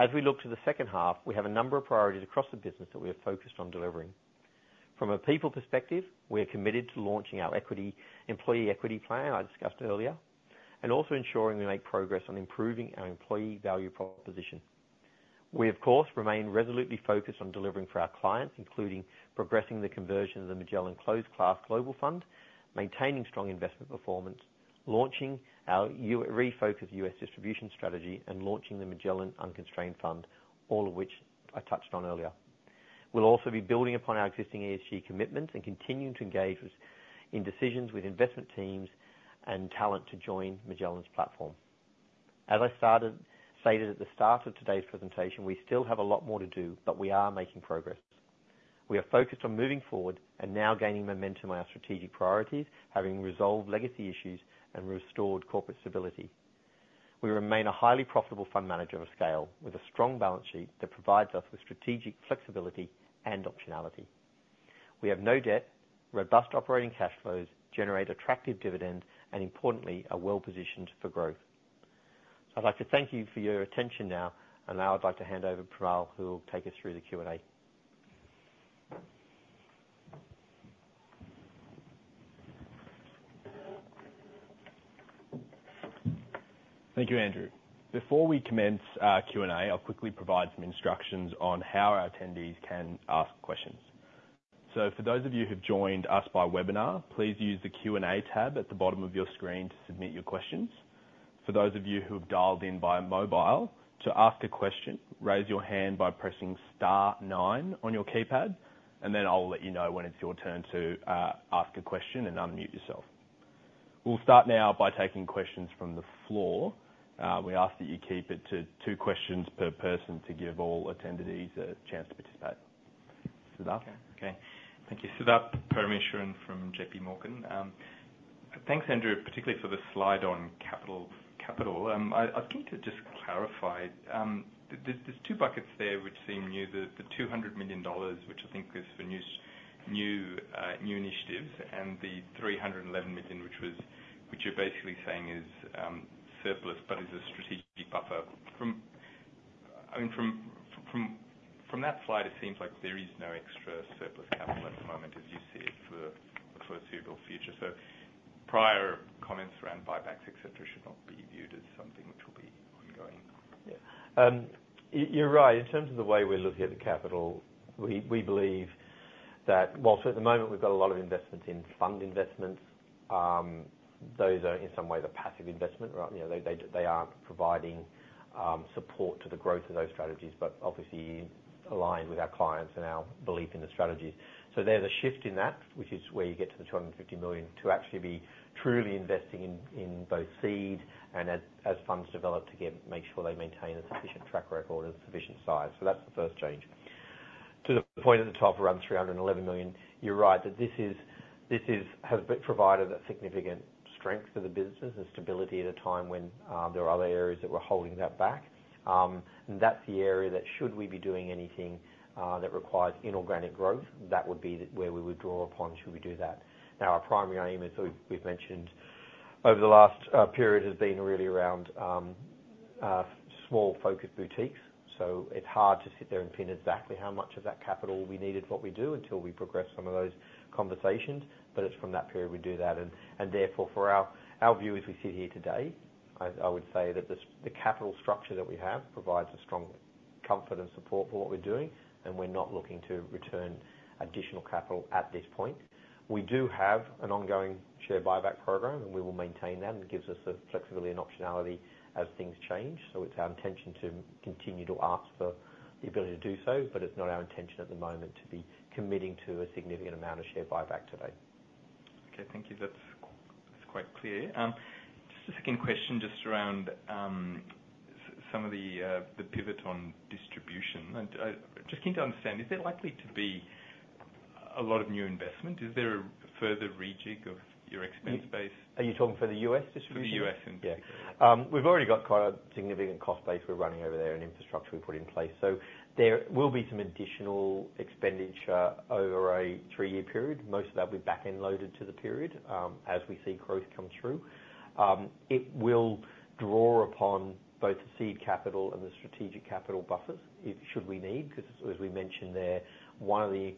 As we look to the second half, we have a number of priorities across the business that we are focused on delivering. From a people perspective, we are committed to launching our employee equity plan I discussed earlier, and also ensuring we make progress on improving our employee value proposition. We, of course, remain resolutely focused on delivering for our clients, including progressing the conversion of the Magellan Closed Class Global Fund, maintaining strong investment performance, launching our refocused U.S. distribution strategy, and launching the Magellan Unconstrained Fund, all of which I touched on earlier. We'll also be building upon our existing ESG commitments and continuing to engage with, in decisions with investment teams and talent to join Magellan's platform. As I stated at the start of today's presentation, we still have a lot more to do, but we are making progress. We are focused on moving forward and now gaining momentum on our strategic priorities, having resolved legacy issues and restored corporate stability. We remain a highly profitable fund manager of scale, with a strong balance sheet that provides us with strategic flexibility and optionality. We have no debt, robust operating cash flows, generate attractive dividends, and importantly, are well positioned for growth. I'd like to thank you for your attention now, and now I'd like to hand over to Primal, who will take us through the Q&A. Thank you, Andrew. Before we commence our Q&A, I'll quickly provide some instructions on how our attendees can ask questions. So for those of you who've joined us by webinar, please use the Q&A tab at the bottom of your screen to submit your questions. For those of you who have dialed in by mobile, to ask a question, raise your hand by pressing star nine on your keypad, and then I'll let you know when it's your turn to ask a question and unmute yourself. We'll start now by taking questions from the floor. We ask that you keep it to two questions per person, to give all attendees a chance to participate. Siddharth? Okay. Thank you. Siddharth Parameswaran from JP Morgan. Thanks, Andrew, particularly for the slide on capital. I was keen to just clarify, there, there's two buckets there which seem new: the 200 million dollars, which I think is for new initiatives, and the 311 million, which you're basically saying is surplus, but is a strategic buffer. I mean, from that slide, it seems like there is no extra surplus capital at the moment, as you see it, for the foreseeable future. So prior comments around buybacks, et cetera, should not be viewed as something which will be ongoing. Yeah. You're right. In terms of the way we're looking at the capital, we believe that... well, so at the moment, we've got a lot of investments in fund investments. Those are in some way the passive investment, right? You know, they are providing support to the growth of those strategies, but obviously aligned with our clients and our belief in the strategies. So there's a shift in that, which is where you get to the 250 million, to actually be truly investing in both seed and as funds develop, to make sure they maintain a sufficient track record and sufficient size. So that's the first change. To the point at the top, around 311 million, you're right, that this is, has provided a significant strength to the business and stability at a time when there are other areas that we're holding that back. And that's the area that, should we be doing anything that requires inorganic growth, that would be the where we would draw upon, should we do that. Now, our primary aim, as we've mentioned over the last period, has been really around small focused boutiques. So it's hard to sit there and pin exactly how much of that capital we needed, what we do, until we progress some of those conversations. It's from that period we do that, and therefore, for our view, as we sit here today, I would say that the capital structure that we have provides a strong comfort and support for what we're doing, and we're not looking to return additional capital at this point. We do have an ongoing share buyback program, and we will maintain that. It gives us the flexibility and optionality as things change. It's our intention to continue to ask for the ability to do so, but it's not our intention at the moment to be committing to a significant amount of share buyback today. Okay. Thank you. That's, that's quite clear. Just a second question, just around, some of the, the pivot on distribution. And, just keen to understand, is there likely to be a lot of new investment. Is there a further rejig of your expense base? Are you talking for the U.S. distribution? For the U.S. in particular. Yeah. We've already got quite a significant cost base we're running over there and infrastructure we put in place. So there will be some additional expenditure over a three-year period. Most of that will be back-end loaded to the period, as we see growth come through. It will draw upon both the seed capital and the strategic capital buffers, should we need, 'cause as we mentioned there, one of the,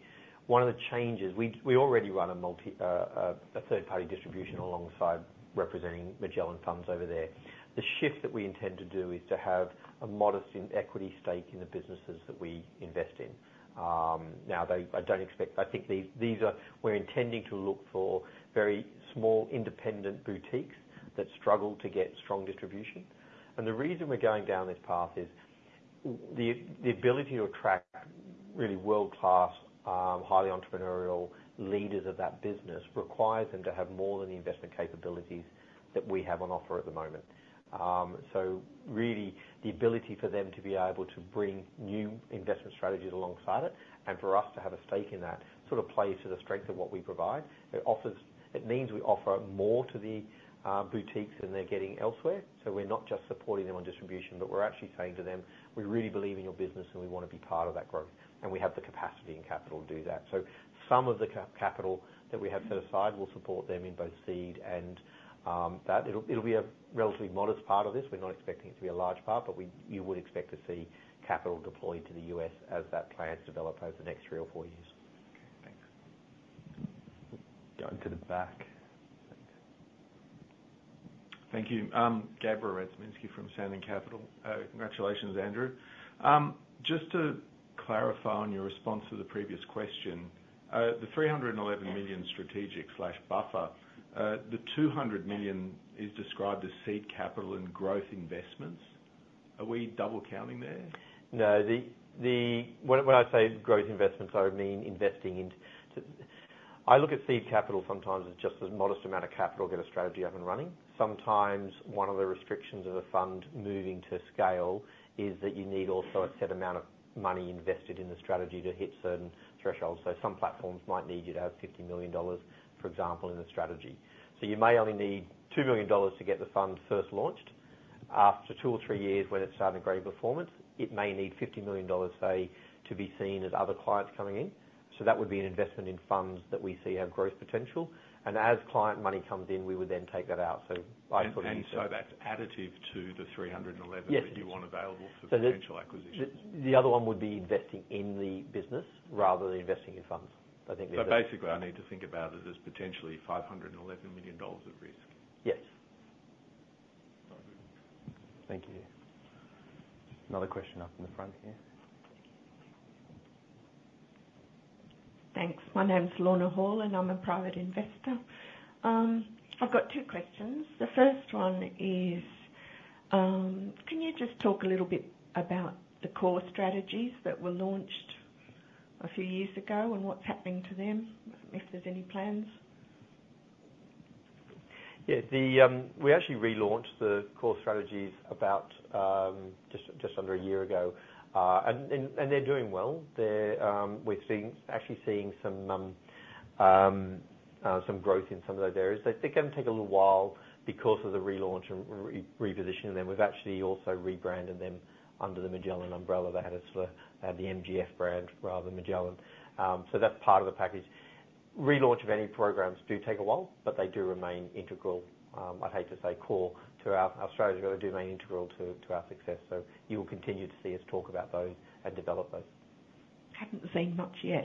one of the changes—we already run a multi, a third party distribution alongside representing Magellan funds over there. The shift that we intend to do is to have a modest in equity stake in the businesses that we invest in. Now, they—I don't expect I think these, these are—we're intending to look for very small, independent boutiques that struggle to get strong distribution. And the reason we're going down this path is, the ability to attract really world-class, highly entrepreneurial leaders of that business requires them to have more than the investment capabilities that we have on offer at the moment. So really, the ability for them to be able to bring new investment strategies alongside it, and for us to have a stake in that, sort of plays to the strength of what we provide. It offers. It means we offer more to the, boutiques than they're getting elsewhere, so we're not just supporting them on distribution, but we're actually saying to them: "We really believe in your business, and we want to be part of that growth," and we have the capacity and capital to do that. So some of the capital that we have set aside will support them in both seed and that. It'll be a relatively modest part of this. We're not expecting it to be a large part, but you would expect to see capital deployed to the U.S. as that plan is developed over the next three or four years. Okay, thanks. Going to the back. Thank you. Gabriel Radzyminski from Sandon Capital. Congratulations, Andrew. Just to clarify on your response to the previous question, the 311 million strategic/buffer, the 200 million is described as seed capital and growth investments. Are we double counting there? No. When I say growth investments, I would mean investing into... I look at seed capital sometimes as just a modest amount of capital to get a strategy up and running. Sometimes one of the restrictions of a fund moving to scale is that you need also a set amount of money invested in the strategy to hit certain thresholds. So some platforms might need you to have 50 million dollars, for example, in a strategy. So you may only need 2 million dollars to get the fund first launched. After two or three years, when it's starting great performance, it may need 50 million dollars, say, to be seen as other clients coming in. So that would be an investment in funds that we see have growth potential, and as client money comes in, we would then take that out. So I thought and so that's additive to the 311 Yes that you want available for potential acquisitions. The other one would be investing in the business rather than investing in funds. I think- Basically, I need to think about it as potentially 511 million dollars at risk? Yes. Thank you. Another question up in the front here. Thanks. My name's Lorna Hall, and I'm a private investor. I've got two questions. The first one is, can you just talk a little bit about the core strategies that were launched a few years ago and what's happening to them, if there's any plans? Yeah. We actually relaunched the core strategies about just under a year ago. And they're doing well. We're actually seeing some growth in some of those areas. They're gonna take a little while because of the relaunch and repositioning them. We've actually also rebranded them under the Magellan umbrella. They had a sort of the MGF brand rather than Magellan. So that's part of the package. Relaunch of any programs do take a while, but they do remain integral. I'd hate to say core to our strategies, but they do remain integral to our success. So you will continue to see us talk about those and develop those. Haven't seen much yet.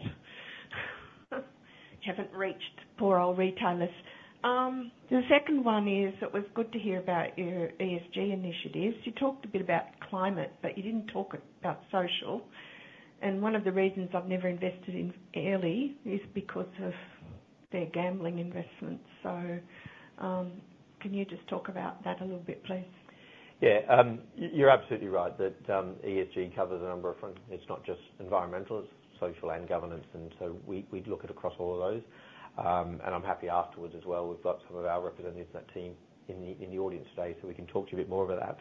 Haven't reached poor old retailers. The second one is, it was good to hear about your ESG initiatives. You talked a bit about climate, but you didn't talk about social, and one of the reasons I've never invested in Airlie is because of their gambling investments. So, can you just talk about that a little bit, please? Yeah. You're absolutely right that, ESG covers a number of fronts. It's not just environmental, it's social and governance, and so we'd look at across all of those. And I'm happy afterwards as well. We've got some of our representatives of that team in the audience today, so we can talk to you a bit more about that.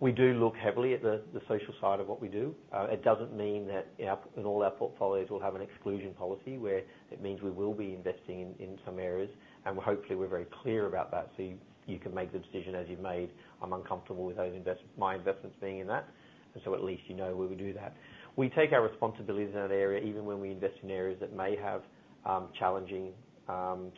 We do look heavily at the social side of what we do. It doesn't mean that in all our portfolios, we'll have an exclusion policy, where it means we will be investing in some areas, and hopefully, we're very clear about that. So you can make the decision as you've made. I'm uncomfortable with those investments, my investments being in that, and so at least you know where we do that. We take our responsibilities in that area, even when we invest in areas that may have challenging,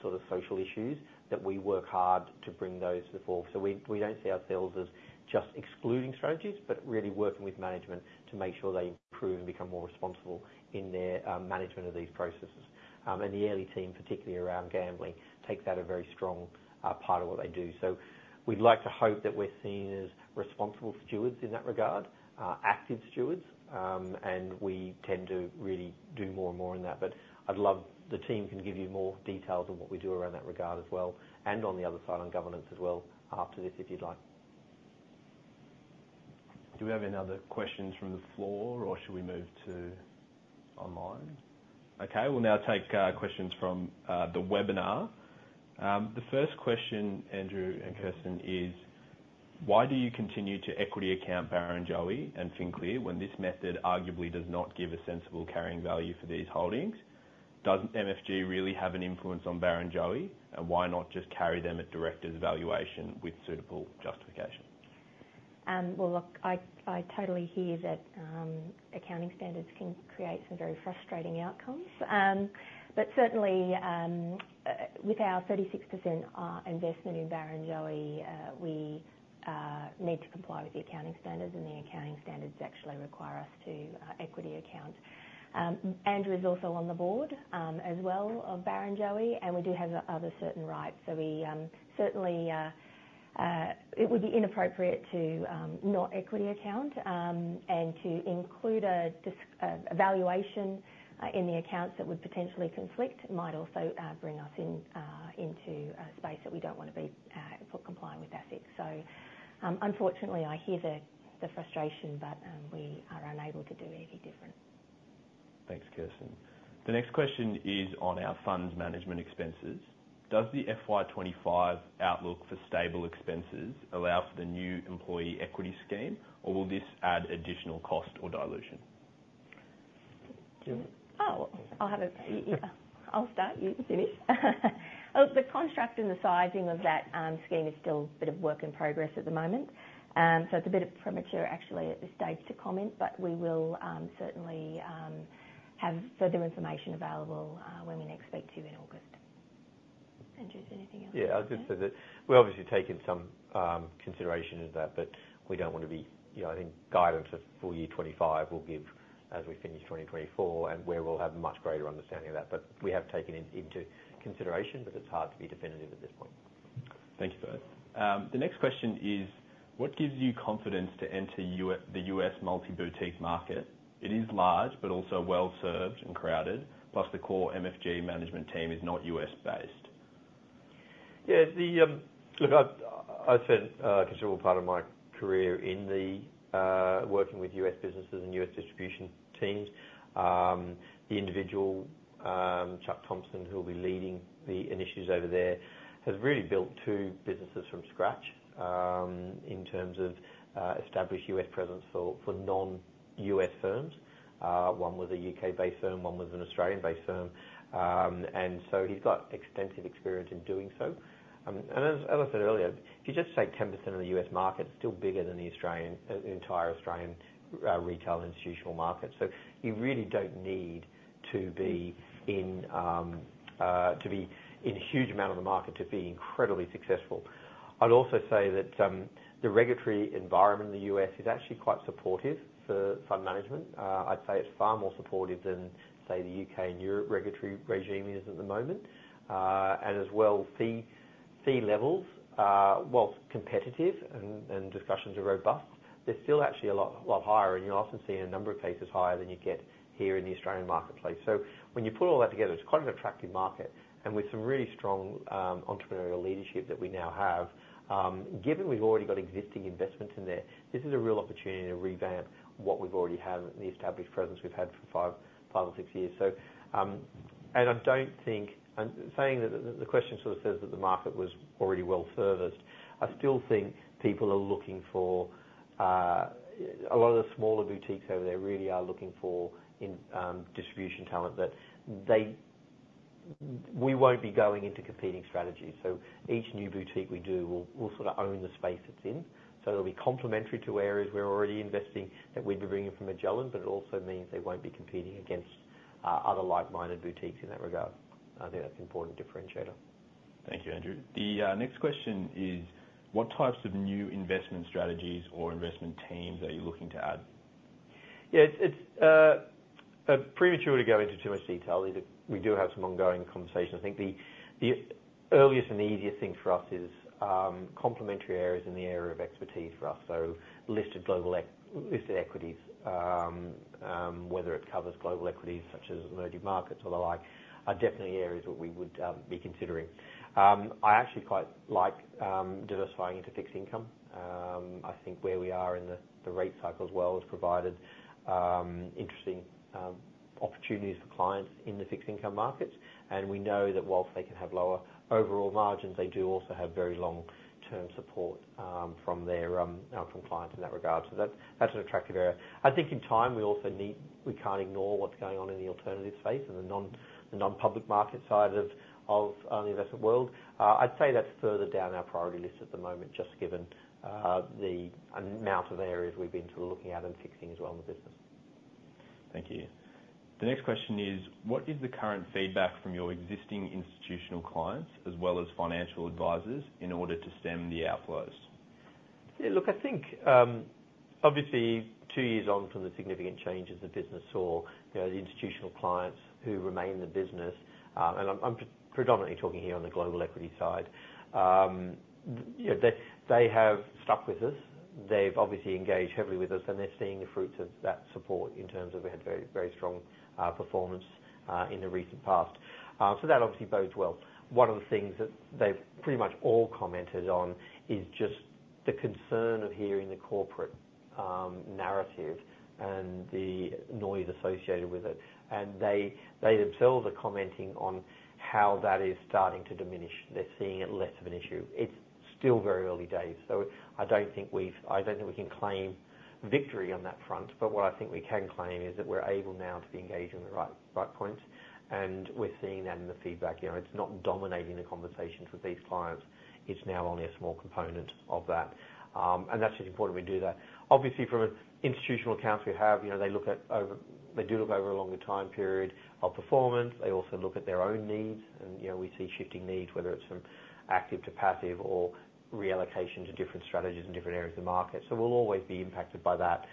sort of social issues, that we work hard to bring those to the fore. So we don't see ourselves as just excluding strategies, but really working with management to make sure they improve and become more responsible in their management of these processes. And the Airlie team, particularly around gambling, takes that a very strong part of what they do. So we'd like to hope that we're seen as responsible stewards in that regard, active stewards, and we tend to really do more and more in that. But I'd love... The team can give you more details on what we do around that regard as well, and on the other side, on governance as well, after this, if you'd like. Do we have any other questions from the floor, or should we move to online? Okay, we'll now take questions from the webinar. The first question, Andrew and Kirsten, is Why do you continue to equity account Barrenjoey and FinClear, when this method arguably does not give a sensible carrying value for these holdings? Does MFG really have an influence on Barrenjoey? And why not just carry them at director's valuation with suitable justification? Well, look, I totally hear that accounting standards can create some very frustrating outcomes. But certainly, with our 36% investment in Barrenjoey, we need to comply with the accounting standards, and the accounting standards actually require us to equity account. Andrew is also on the board, as well, of Barrenjoey, and we do have other certain rights. So we certainly it would be inappropriate to not equity account. And to include a valuation in the accounts that would potentially conflict, might also bring us into a space that we don't wanna be for complying with assets. So, unfortunately, I hear the frustration, but we are unable to do anything different. Thanks, Kirsten. The next question is on our funds management expenses. Does the FY 25 outlook for stable expenses allow for the new employee equity scheme, or will this add additional cost or dilution? Oh, yeah. I'll start, you finish. Oh, the construct and the sizing of that scheme is still a bit of work in progress at the moment. So it's a bit premature, actually, at this stage to comment, but we will certainly have further information available when we next speak to you in August. Andrew, is there anything else? Yeah, I'll just say that we've obviously taken some consideration of that, but we don't want to be, you know, I think guidance of full year 2025 will give as we finish 2024, and where we'll have a much greater understanding of that. But we have taken it into consideration, but it's hard to be definitive at this point. Thank you both. The next question is: What gives you confidence to enter the U.S. multi-boutique market? It is large, but also well-served and crowded, plus the core MFG management team is not U.S.-based. Yeah, look, I spent a considerable part of my career in working with U.S. businesses and U.S. distribution teams. The individual, Chuck Thompson, who will be leading the initiatives over there, has really built two businesses from scratch, in terms of established U.S. presence for non-U.S. firms. One was a U.K.-based firm, one was an Australian-based firm. And so he's got extensive experience in doing so. And as I said earlier, if you just take 10% of the U.S. market, it's still bigger than the entire Australian retail institutional market. So you really don't need to be in to be in a huge amount of the market to be incredibly successful. I'd also say that the regulatory environment in the U.S. is actually quite supportive for fund management. I'd say it's far more supportive than, say, the UK and Europe regulatory regime is at the moment. And as well, fee levels, while competitive and discussions are robust, they're still actually a lot higher, and you often see in a number of cases higher than you get here in the Australian marketplace. So when you put all that together, it's quite an attractive market, and with some really strong entrepreneurial leadership that we now have. Given we've already got existing investments in there, this is a real opportunity to revamp what we've already have, the established presence we've had for five or six years. So, and I don't think... Saying that the question sort of says that the market was already well-serviced, I still think people are looking for a lot of the smaller boutiques over there really are looking for distribution talent, but we won't be going into competing strategies. So each new boutique we do, we'll sort of own the space it's in. So it'll be complementary to areas we're already investing that we'd be bringing from Magellan, but it also means they won't be competing against other like-minded boutiques in that regard. I think that's an important differentiator. Thank you, Andrew. The next question is: What types of new investment strategies or investment teams are you looking to add? Yeah, it's premature to go into too much detail. We do have some ongoing conversations. I think the earliest and the easiest thing for us is complementary areas in the area of expertise for us. So listed global equities, whether it covers global equities, such as emerging markets or the like, are definitely areas where we would be considering. I actually quite like diversifying into fixed income. I think where we are in the rate cycle as well has provided interesting opportunities for clients in the fixed income markets. And we know that whilst they can have lower overall margins, they do also have very long-term support from clients in that regard. So that's an attractive area. I think in time, we also need we can't ignore what's going on in the alternative space and the non-public market side of the investment world. I'd say that's further down our priority list at the moment, just given the amount of areas we've been sort of looking at and fixing as well in the business. Thank you. The next question is: What is the current feedback from your existing institutional clients, as well as financial advisors, in order to stem the outflows? Yeah, look, I think, obviously, two years on from the significant changes the business or, you know, the institutional clients who remain in the business, and I'm, I'm predominantly talking here on the global equity side. You know, they, they have stuck with us. They've obviously engaged heavily with us, and they're seeing the fruits of that support in terms of we had very, very strong performance in the recent past. So that obviously bodes well. One of the things that they've pretty much all commented on is just the concern of hearing the corporate narrative and the noise associated with it, and they, they themselves are commenting on how that is starting to diminish. They're seeing it less of an issue. It's still very early days, so I don't think we can claim victory on that front, but what I think we can claim is that we're able now to be engaged in the right, right point, and we're seeing that in the feedback. You know, it's not dominating the conversations with these clients, it's now only a small component of that. And that's important we do that. Obviously, from an institutional accounts we have, you know, they do look over a longer time period of performance. They also look at their own needs, and, you know, we see shifting needs, whether it's from active to passive or reallocation to different strategies and different areas of the market, so we'll always be impacted by that.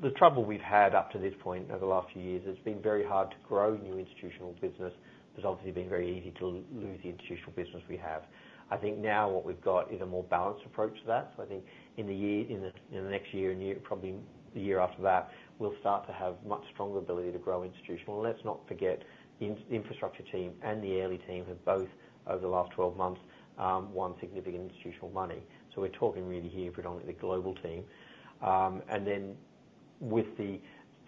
The trouble we've had up to this point over the last few years, it's been very hard to grow new institutional business. It's obviously been very easy to lose the institutional business we have. I think now what we've got is a more balanced approach to that. So I think in the year, in the next year, and year probably the year after that, we'll start to have much stronger ability to grow institutional. And let's not forget, the infrastructure team and the Airlie team have both, over the last 12 months, won significant institutional money. So we're talking really here predominantly global team. And then with the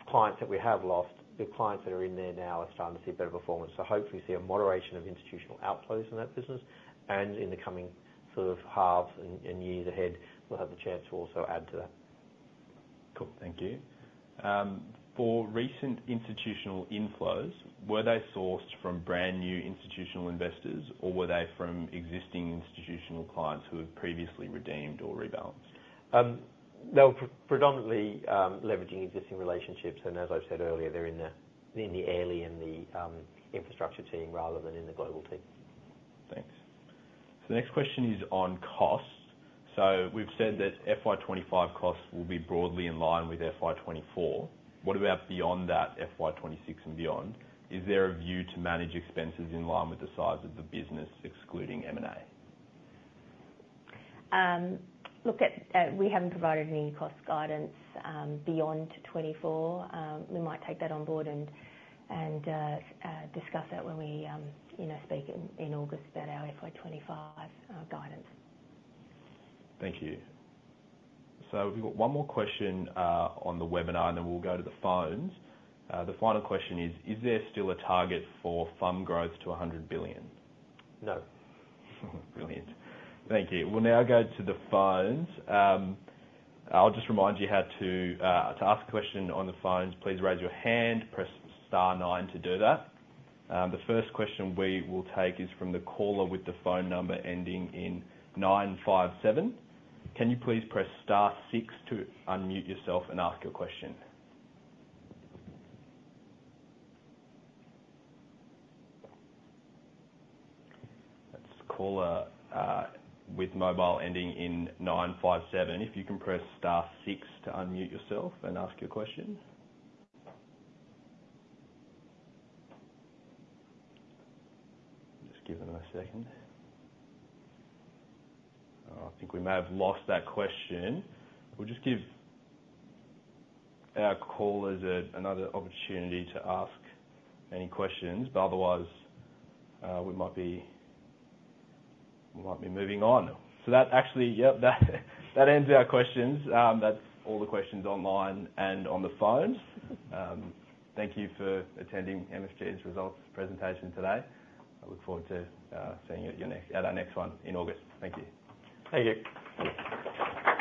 clients that we have lost, the clients that are in there now are starting to see better performance. So hopefully, see a moderation of institutional outflows in that business, and in the coming sort of halves and, and years ahead, we'll have the chance to also add to that. Cool. Thank you. For recent institutional inflows, were they sourced from brand new institutional investors, or were they from existing institutional clients who have previously redeemed or rebalanced? They were predominantly leveraging existing relationships, and as I've said earlier, they're in the Airlie infrastructure team rather than in the global team. Thanks. So the next question is on costs. So we've said that FY 2025 costs will be broadly in line with FY 2024. What about beyond that, FY 2026 and beyond? Is there a view to manage expenses in line with the size of the business, excluding M&A? We haven't provided any cost guidance beyond 2024. We might take that on board and discuss that when we, you know, speak in August about our FY 2025 guidance. Thank you. So we've got one more question on the webinar, and then we'll go to the phones. The final question is: Is there still a target for fund growth to 100 billion? No. Brilliant. Thank you. We'll now go to the phones. I'll just remind you how to ask a question on the phones, please raise your hand, press star nine to do that. The first question we will take is from the caller with the phone number ending in 957. Can you please press star six to unmute yourself and ask your question? Let's caller with mobile ending in 957, if you can press star six to unmute yourself and ask your question. Just give it another second. I think we may have lost that question. We'll just give our callers another opportunity to ask any questions, but otherwise, we might be moving on. So that actually. Yep, that ends our questions. That's all the questions online and on the phones. Thank you for attending MFGH's results presentation today. I look forward to seeing you at our next one in August. Thank you. Thank you.